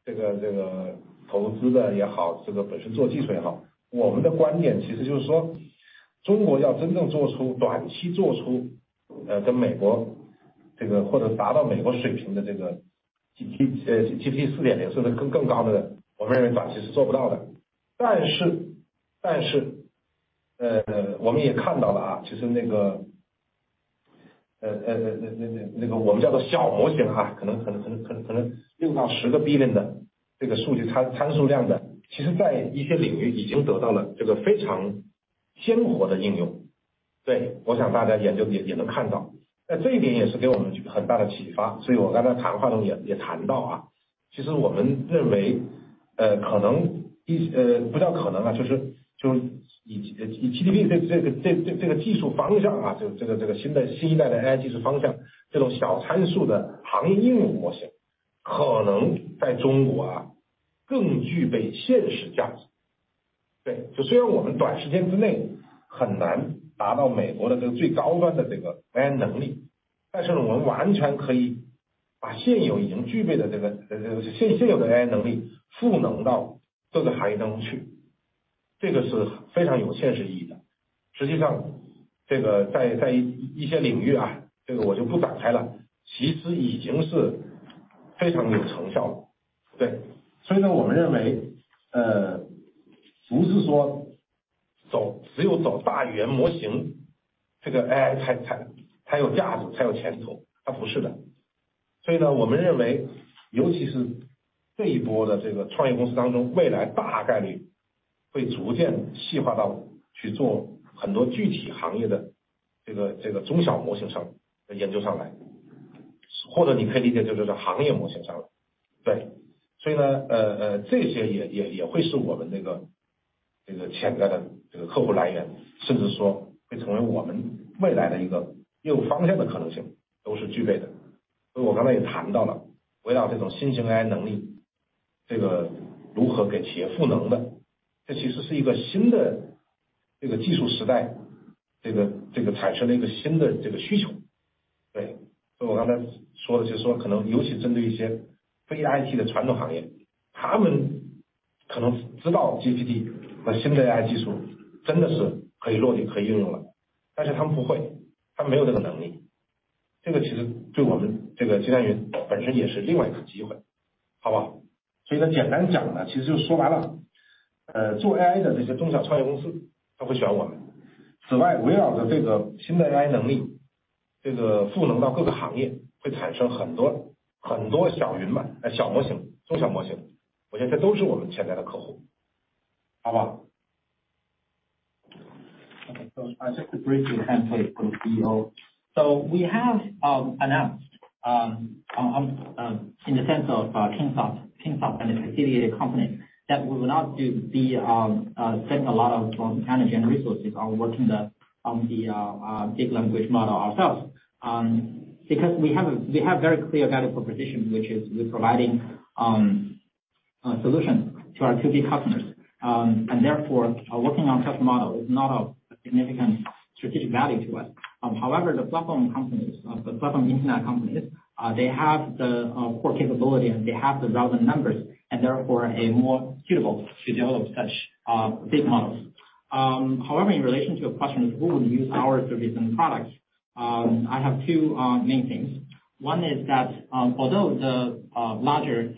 这 个， 这个投资的也 好， 这个本身做基础也 好， 我们的观点其实就是说中国要真正做出短期做出跟美国这个或者达到美国水平的这个 GT-GPT 4.0 甚至更高 的， 我们认为短期是做不到的。但 是， 但 是， 呃， 我们也看到了 啊， 其实那 个， 呃， 那个我们叫做小模型 哈， 可 能， 可 能， 可 能， 可能六到十个 billion 的这个数据 参， 参数量 的， 其实在一些领域已经得到了这个非常鲜活的应用。对， 我想大家 也， 也， 也能看 到， 那这一点也是给我们很大的启发。所以我刚才谈话中 也， 也谈到 啊， 其实我们认为 呃， 可 能， 呃， 不叫可能 啊， 就 是， 就是以 GP 这 个， 这 个， 这个技术方向 啊， 这 个， 这 个， 这个新的新一代的 AI 技术方 向， 这种小参数的行业应用模型可能在中国啊更具备现实价值。对。就虽然我们短时间之内很难达到美国的这个最高端的这个 AI 能 力， 但是我们完全可以把现有已经具备的这个 现， 现有的 AI 能力赋能到各个行业当中 去， 这个是非常有现实意义的。实际上这个 在， 在一些领域 啊， 这个我就不展开 了， 其实已经是非常有成效了。对。所以 呢， 我们认 为， 呃， 不是说 走， 只有走大语言模 型， 这个 AI 它， 它， 它有价 值， 才有前途。它不是的。所以呢我们认为尤其是最多的这个创业公司当 中， 未来大概率会逐渐细化到去做很多具体行业的中小模型上的研究上 来， 或者你可以理解这就是行业模型上来。对。所以 呢， 呃， 这些也会是我们潜在的客户来 源， 甚至说会成为我们未来的一个业务方向的可能性都是具备的。所以我刚才也谈到了围绕这种新型 AI 能 力， 这个如何给企业赋能 的， 这其实是一个新的技术时代产生的一个新的需求。对。所以我刚才说的就是说可能尤其针对一些非 IT 的传统行 业， 他们可能知道 GPT 和新的 AI 技术真的是可以落地可以应用 了， 但是他们不 会， 他们没有这个能力。这个其实对我们这个金山云本身也是另外一个机 会， 好不 好？ 所以呢简单讲 呢， 其实就是说完 了， 呃， 做 AI 的那些中小创业公司都会选我们。此 外， 围绕着这个新的 AI 能 力， 这个赋能到各个行业会产生很 多， 很多小云 吧， 小模 型， 中小模 型， 我觉得这都是我们潜在的客户，好不 好？ I'll just briefly handle it from CEO. We have announced on in the sense of Kingsoft and its affiliated company, that we will not do the spend a lot of time, energy, and resources on working the on the big language model ourselves, because we have very clear value proposition, which is we're providing a solution to our to-be customers, and therefore working on such model is not of significant strategic value to us. The platform companies, the platform internet companies, they have the core capability and they have the relevant numbers and therefore a more suitable to develop such big models. In relation to your question of who will use our services and products, I have two main things. One is that, although the larger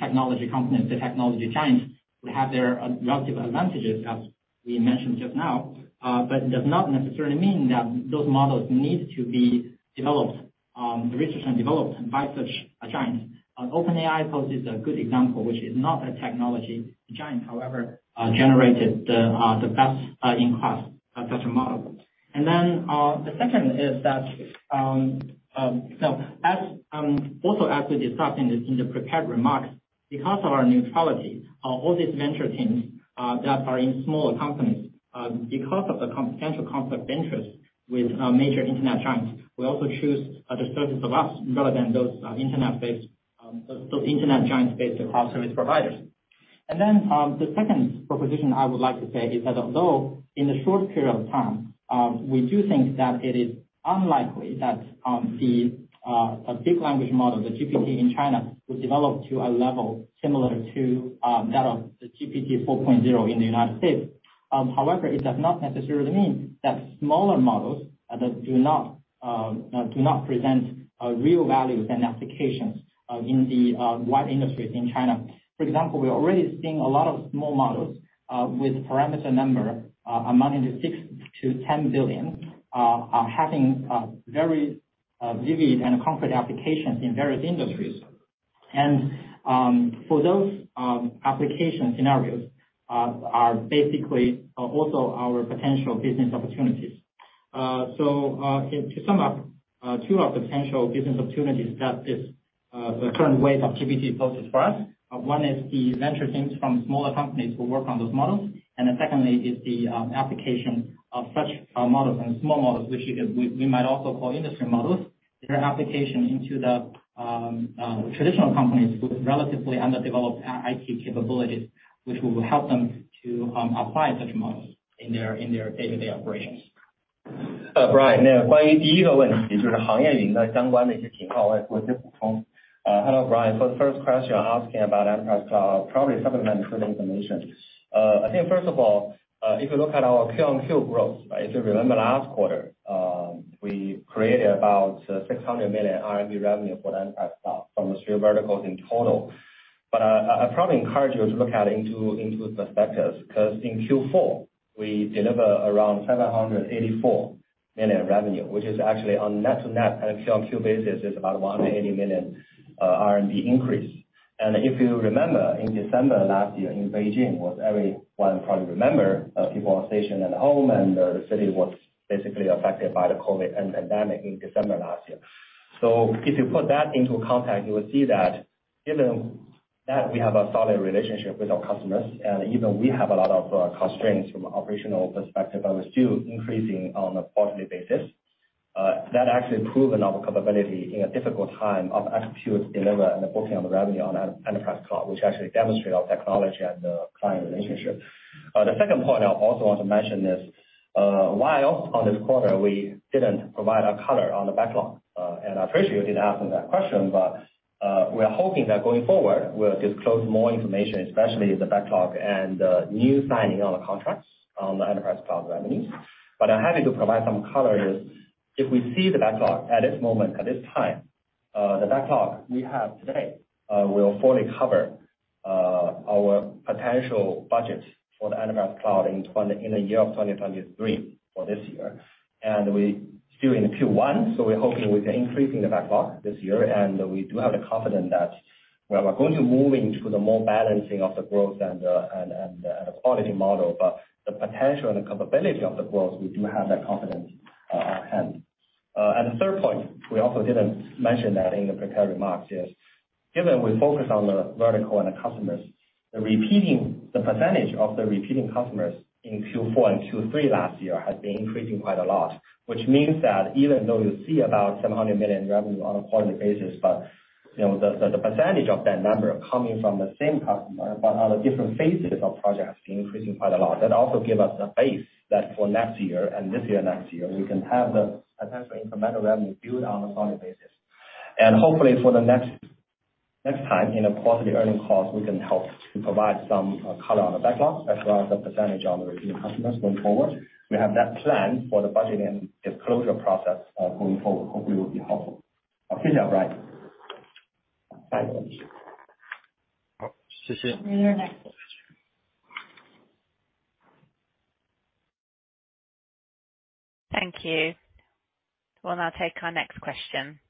technology companies, the technology giants would have their relative advantages, as we mentioned just now, it does not necessarily mean that those models need to be developed, the research and developed by such a giant. OpenAI poses a good example, which is not a technology giant, however, generated the best in class such a model. The second is that, as also as we discussed in the prepared remarks, because of our neutrality, all these venture teams that are in smaller companies, because of the potential conflict interests with major internet giants will also choose the services of us rather than those internet-based, those internet giants based cloud service providers. The second proposition I would like to say is that although in the short period of time, we do think that it is unlikely that the big language model, the GPT in China will develop to a level similar to that of the GPT 4.0 in the United States. However, it does not necessarily mean that smaller models that do not present real values and applications in the wide industries in China. For example, we're already seeing a lot of small models with parameter number amounting to six to 10 billion having very vivid and concrete applications in various industries. For those application scenarios are basically also our potential business opportunities. To sum up, two of potential business opportunities that this, the current wave of GPT poses for us. One is the venture teams from smaller companies who work on those models. Secondly is the application of such models and small models, which we might also call industry models. Their application into the traditional companies with relatively underdeveloped IT capabilities, which will help them to apply such models in their day-to-day operations. Brian. 那关于第一个问 题， 就是行业云的相关的一些情 况， 我也做一些补充。Hello, Brian. For the first question you're asking about enterprise cloud, probably supplement further information. I think first of all, if you look at our Q on Q growth, right? If you remember last quarter, we created about 600 million RMB revenue for the enterprise cloud from three verticals in total. I probably encourage you to look at it into perspectives, 'cause in Q4, we deliver around 784 million revenue, which is actually on net to net and Q on Q basis is about 180 million RMB increase. If you remember in December last year in Beijing, what everyone probably remember, people were stationed at home and the city was basically affected by the COVID pandemic in December last year. If you put that into context, you will see that given that we have a solid relationship with our customers and even we have a lot of constraints from operational perspective and we're still increasing on a quarterly basis. That actually proven our capability in a difficult time of execute, deliver, and booking on the revenue on enterprise cloud, which actually demonstrate our technology and the client relationship. The second point I also want to mention is, while on this quarter we didn't provide a color on the backlog, and I appreciate you did ask me that question, but we are hoping that going forward we'll disclose more information, especially the backlog and the new signing on the contracts on the enterprise cloud revenues. I'm happy to provide some color is if we see the backlog at this moment, at this time, the backlog we have today, will fully cover our potential budget for the enterprise cloud in the year of 2023, for this year. We're still in Q1, we're hoping with increasing the backlog this year, we do have the confidence that while we're going to moving to the more balancing of the growth and the quality model, the potential and the capability of the growth, we do have that confidence at hand. The third point, we also didn't mention that in the prepared remarks, is given we focus on the vertical and the customers, the percentage of the repeating customers in Q4 and Q3 last year had been increasing quite a lot, which means that even though you see about 700 million revenue on a quarterly basis, you know, the percentage of that number coming from the same customer but on the different phases of projects is increasing quite a lot. That also give us the base that for next year, and this year, next year, we can have the potential incremental revenue build on a solid basis. Hopefully for the next time in a quarterly earning call, we can help to provide some color on the backlog as well as the percentage on the repeat customers going forward. We have that plan for the budgeting disclosure process going forward. Hopefully it will be helpful. I'll finish up, right? Thank you. We'll now take our next question.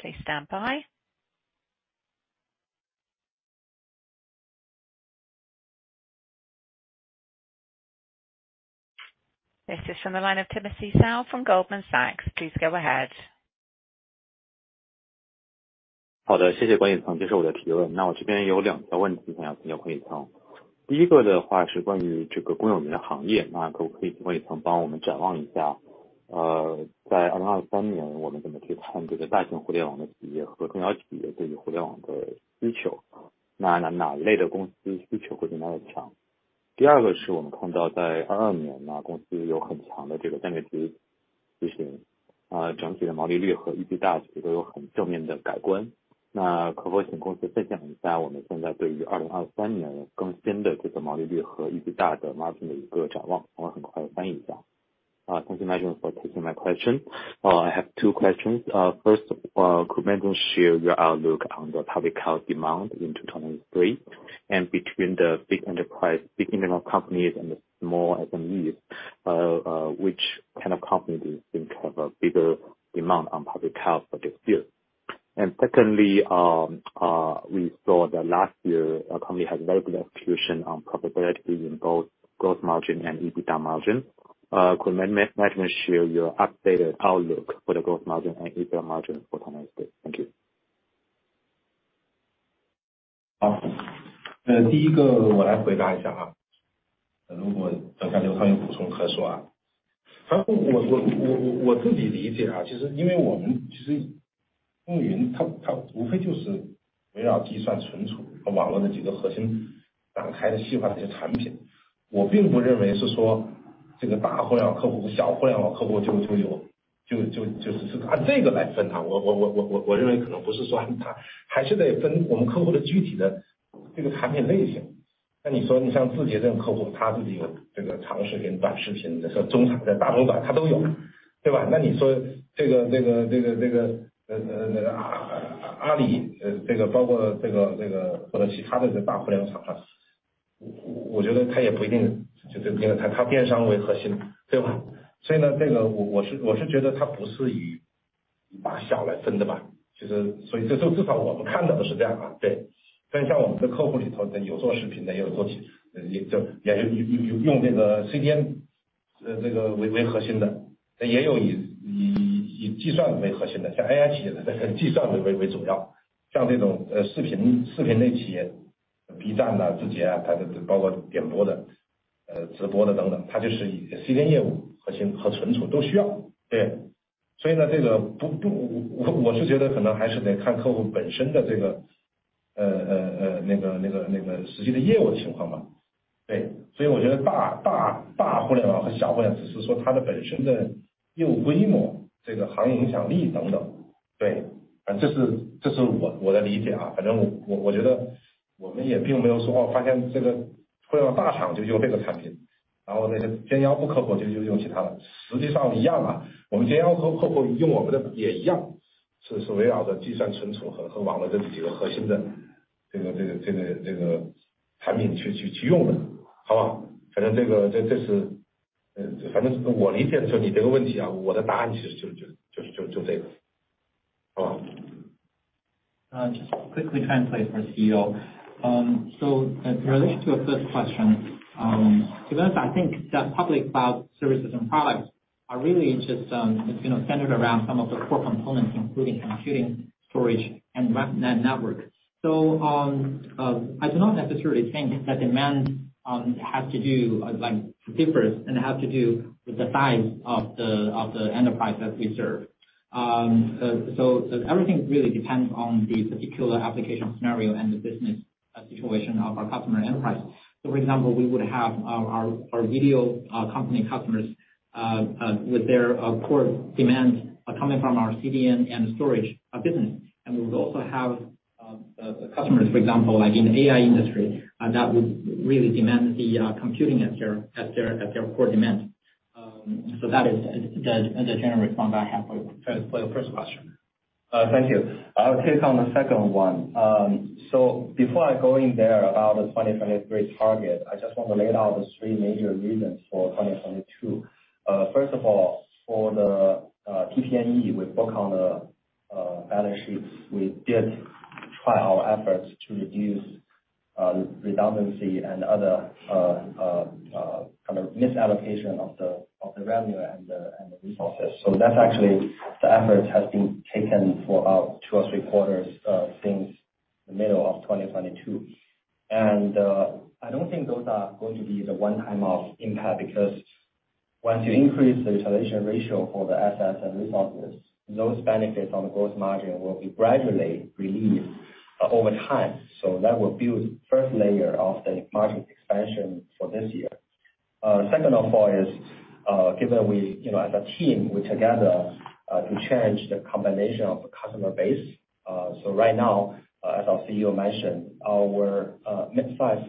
Please stand by. This is from the line of Timothy Zhao from Goldman Sachs. Please go ahead. Thank you, management, for taking my question. I have two questions. First, could management share your outlook on the public cloud demand in 2023, and between the big enterprise, big internet companies and the small SMEs, which kind of company do you think have a bigger demand on public cloud for this year? Secondly, we saw that last year our company had very good execution on profitability in both gross margin and EBITDA margin. Could management share your updated outlook for the gross margin and EBITDA margin for the next year? Thank you. Just quickly translate for CEO. In relation to your first question, to be honest, I think the public cloud services and products are really just, you know, centered around some of the core components, including computing, storage and network. I do not necessarily think that demand has to do, like differs and have to do with the size of the enterprise that we serve. Everything really depends on the particular application scenario and the business situation of our customer enterprise. For example, we would have our video company customers with their core demands coming from our CDN and storage business. We would also have customers, for example, like in the AI industry, that would really demand the computing at their core demand. That is the general response I have for the first question. Thank you. I'll take on the second one. Before I go in there about the 2023 target, I just want to lay out the three major reasons for 2022. First of all, for the PP&E with book on the balance sheets, we did try our efforts to reduce redundancy and other kind of misallocation of the revenue and the resources. That's actually the efforts has been taken for about two or three quarters since the middle of 2022. I don't think those are going to be the one-time impact, because once you increase the installation ratio for the assets and resources, those benefits on the gross margin will be gradually released over time. That will build first layer of the margin expansion for this year. Second of all is, given we, you know, as a team, we're together to change the combination of the customer base. As our CEO mentioned, our mid-size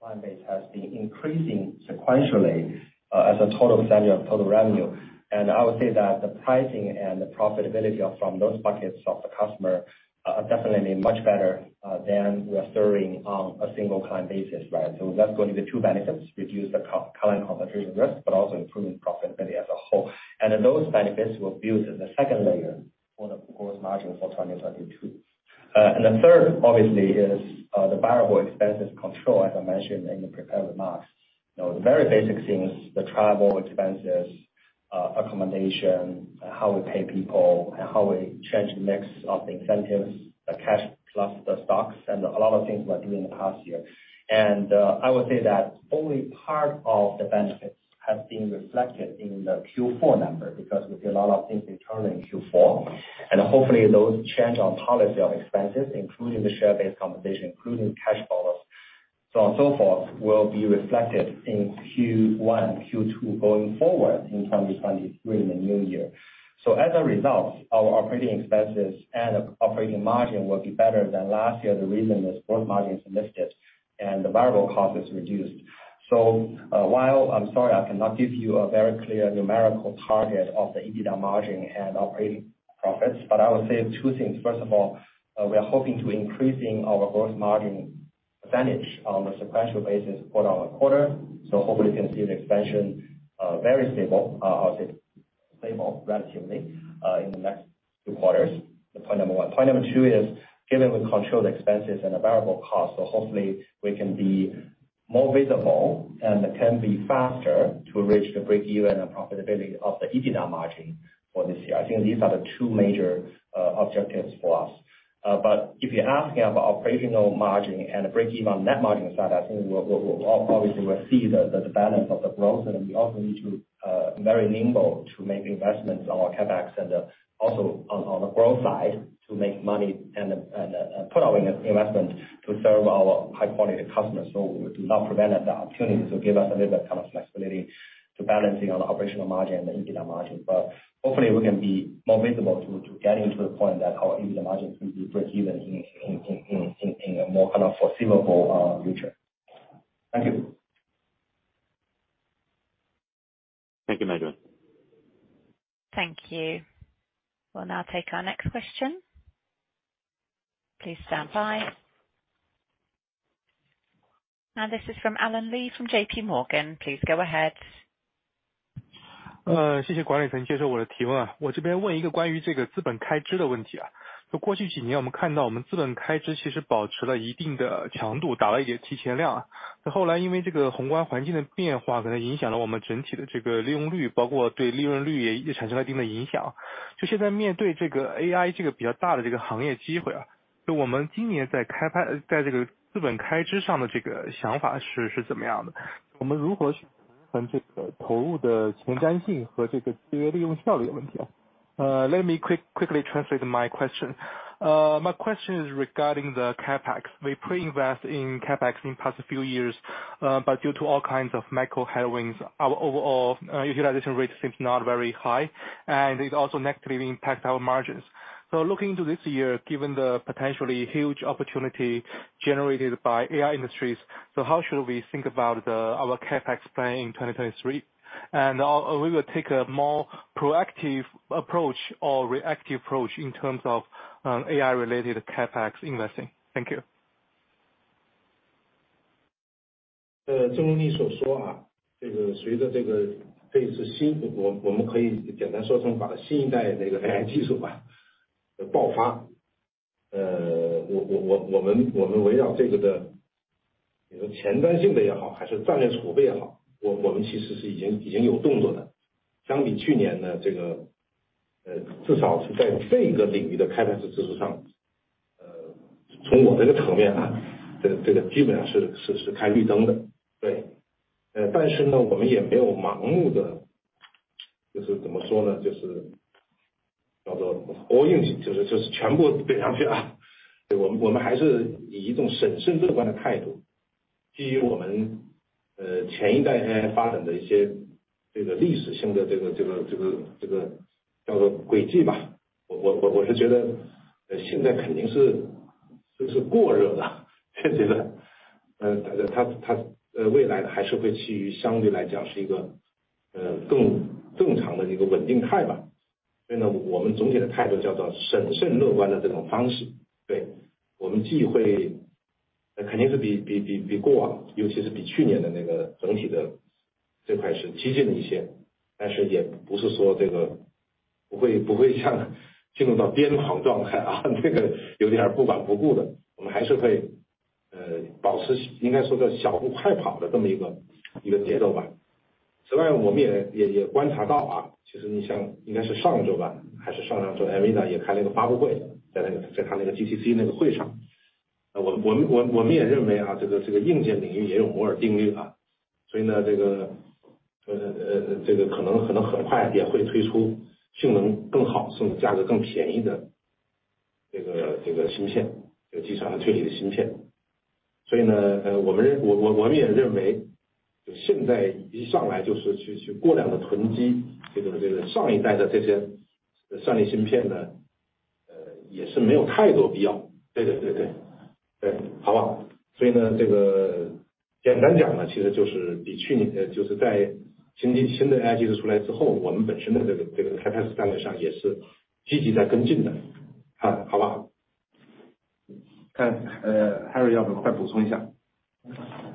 client base has been increasing sequentially as a total percentage of total revenue. The pricing and the profitability from those buckets of the customer are definitely much better than we are serving on a single client basis, right? That's going to be two benefits, reduce the co-client concentration risk, but also improving profitability as a whole. Those benefits will build the second layer for the gross margin for 2022. The third obviously is the variable expenses control, as I mentioned in the prepared remarks. You know, the very basic things, the travel expenses, accommodation, how we pay people, how we change the mix of the incentives, the cash plus the stocks, and a lot of things we are doing in the past year. I would say that only part of the benefits has been reflected in the Q4 number, because we did a lot of things returned in Q4. Hopefully those change on policy, on expenses, including the share-based compensation, including cash bonus, so on so forth, will be reflected in Q1, Q2 going forward in 2023, in the new year. As a result, our operating expenses and operating margin will be better than last year. The reason is gross margin is lifted and the variable cost is reduced. While I'm sorry I cannot give you a very clear numerical target of the EBITDA margin and operating profits, I will say two things. First of all, we are hoping to increasing our gross margin percentage on a sequential basis quarter-over-quarter, hopefully you can see the expansion very stable, I would say stable relatively, in the next two quarters. That's point number one. Point number two is, given we controlled expenses and the variable cost, hopefully we can be more visible and can be faster to reach the break-even and profitability of the EBITDA margin for this year. I think these are the two major objectives for us. If you're asking about operational margin and the break-even on net margin side, I think we'll obviously will see the balance of the growth. We also need to very nimble to make investments on our CapEx and also on the growth side to make money and put our investment to serve our high quality customers so we do not prevent the opportunity. Give us a little bit kind of flexibility to balancing on the operational margin and the EBITDA margin. Hopefully we can be more visible to getting to a point that our EBITDA margin could be break-even in a more kind of foreseeable future. Thank you. Thank you. Henry. Thank you. We'll now take our next question. Please stand by. This is from Allen Li from JPMorgan. Please go ahead. Let me quickly translate my question. My question is regarding the CapEx. We pre-invest in CapEx in past few years. Due to all kinds of macro headwinds, our overall utilization rate seems not very high and it also negatively impact our margins. Looking into this year, given the potentially huge opportunity generated by AI industries, how should we think about our CapEx plan in 2023? Will we take a more proactive approach or reactive approach in terms of AI related CapEx investing? Thank you. 就是过热了这阶段。它， 未来还是会趋于相对来讲是一 个， 更正常的一个稳定态吧。所以呢我们总体的态度叫做审慎乐观的这种方式。对， 我们既 会... 肯定是比过 往， 尤其是比去年的那个整体的这块是激进了一 些， 但是也不是说这个不 会， 不会像进入到癫狂状态 啊， 这个有点儿不管不顾的。我们还是会保持应该说小步快跑的这么一个节奏吧。此外我们也观察到 啊， 其实你像应该是上周 吧， 还是上上 周， Nvidia 也开了一个发布 会， 在那 个， 在它那个 GTC 那个会上。我们也认为 啊， 这个硬件领域也有 Moore's Law 啊。这个可能很快也会推出性能更 好， 甚至价格更便宜的这个芯 片， 就计算的推理的芯片。我们也认 为， 就现在一上来就是去过量地囤积这个上一代的这些的算力芯片 呢， 也是没有太多必要。对， 好不 好？ 简单讲 呢， 其实就是比去 年， 就是在新的 AI 技术出来之 后， 我们本身的这个 CapEx 战略上也是积极在跟进的。好， 好不 好？ 看 Harry 要不要快补充一下。Just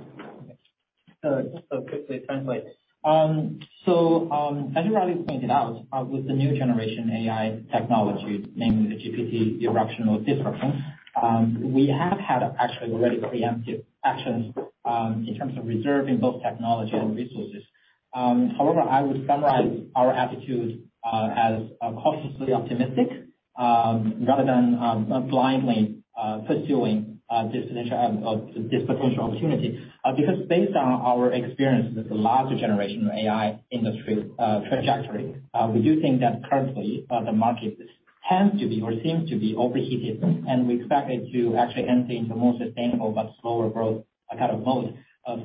to quickly translate. As Henry pointed out, with the new generation AI technology, namely the GPT eruption or disruption, we have had actually already preemptive actions in terms of reserving both technology and resources. However, I would summarize our attitude as cautiously optimistic rather than blindly pursuing this potential opportunity. Because based on our experience with the larger generation of AI industry trajectory, we do think that currently the market tends to be or seems to be overheated, and we expect it to actually enter into more sustainable but slower growth kind of mode.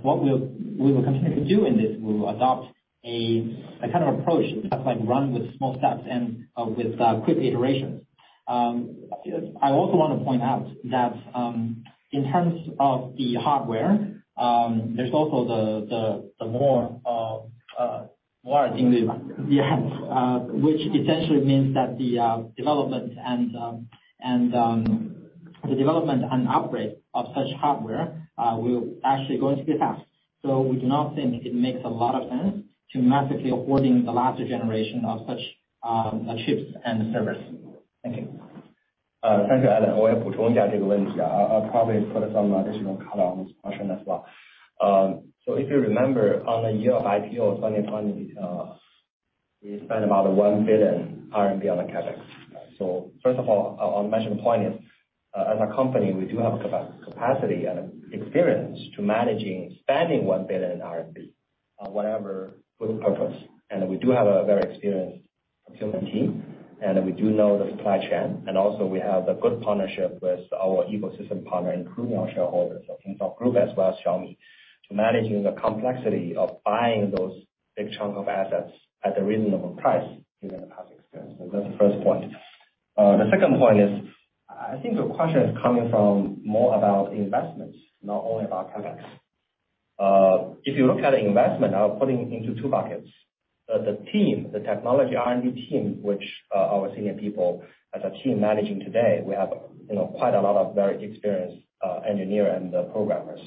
What we will continue to do in this, we will adopt a kind of approach that's like run with small steps and with quick iterations. I also want to point out that in terms of the hardware, there's also the Moore's Law, which essentially means that the development and upgrade of such hardware will actually going to be fast. We do not think it makes a lot of sense to massively hoarding the larger generation of such chips and servers. Thank you. Thank you, Allen. 我也补充一下这个问题啊。I'll probably put some additional color on this question as well. If you remember on the year of IPO 2020, we spent about 1 billion RMB on the CapEx. First of all, on mentioned point is, as a company, we do have capacity and experience to managing spending 1 billion RMB on whatever good purpose. We do have a very experienced procurement team, we do know the supply chain, also we have a good partnership with our ecosystem partner, including our shareholders of Kingsoft Group as well as Xiaomi, to managing the complexity of buying those big chunk of assets at a reasonable price given the past experience. That's the first point. The second point is, I think the question is coming from more about investments, not only about CapEx. If you look at investment, I'll put it into two buckets. The team, the technology R&D team, which our senior people as a team managing today, we have, you know, quite a lot of very experienced engineer and programmers.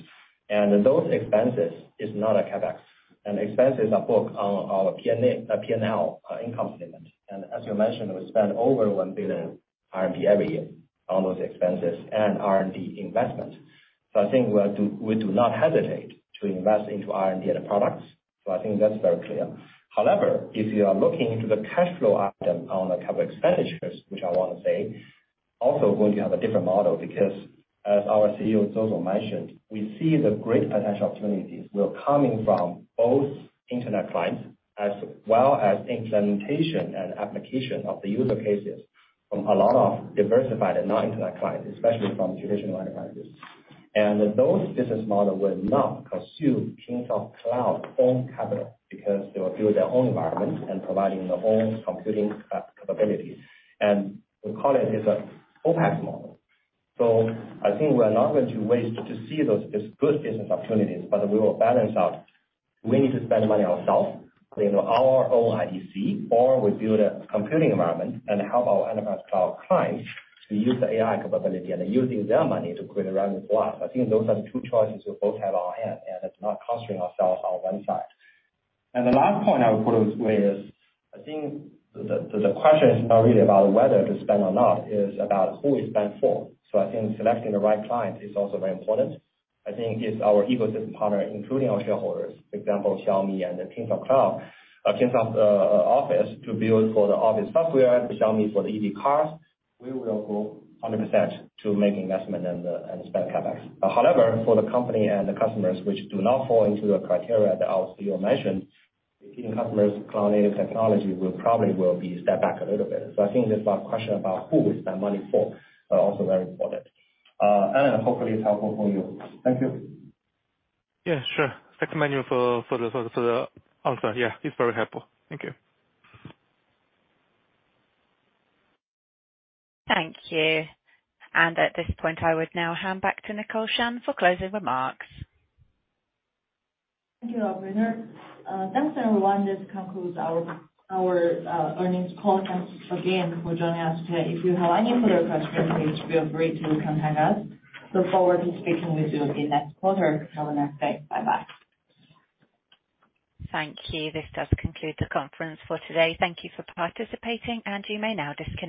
Those expenses is not a CapEx. Expenses are booked on our P&L income statement. As you mentioned, we spend over 1 billion RMB every year on those expenses and R&D investment. I think we do not hesitate to invest into R&D and products. I think that's very clear. However, if you are looking into the cash flow item on the capital expenditures, which I wanna say, also going to have a different model, because as our CEO Tao Zou mentioned, we see the great potential opportunities were coming from both internet clients as well as implementation and application of the user cases from a lot of diversified and non-internet clients, especially from traditional enterprises. Those business model will not consume Kingsoft Cloud own capital because they will build their own environment and providing their own computing capabilities. We call it as a OPEX model. I think we are not going to waste to see those as good business opportunities, but we will balance out. We need to spend money ourselves, build our own IDC, or we build a computing environment and help our enterprise cloud clients to use the AI capability and using their money to create a revenue for us. I think those are the two choices we both have on hand, and it's not constraining ourselves on one side. The last point I would put is, I think the question is not really about whether to spend or not, it is about who we spend for. I think selecting the right client is also very important. I think it's our ecosystem partner, including our shareholders, for example, Xiaomi and Kingsoft Cloud, Kingsoft Office to build for the office software, the Xiaomi for the EV cars. We will go 100% to make investment and spend CapEx. However, for the company and the customers which do not fall into the criteria that our CEO mentioned, the key customers cloud native technology will probably be set back a little bit. I think this last question about who we spend money for are also very important. Allen, hopefully it's helpful for you. Thank you. Yeah, sure. Thank you, Manuel, for the answer. Yeah, it's very helpful. Thank you. Thank you. At this point, I would now hand back to Nicole Shan for closing remarks. Thank you, Operator. Thanks everyone. This concludes our earnings call. Thanks again for joining us today. If you have any further questions, please feel free to contact us. Look forward to speaking with you again next quarter. Have a nice day. Bye bye. Thank you. This does conclude the conference for today. Thank you for participating. You may now disconnect.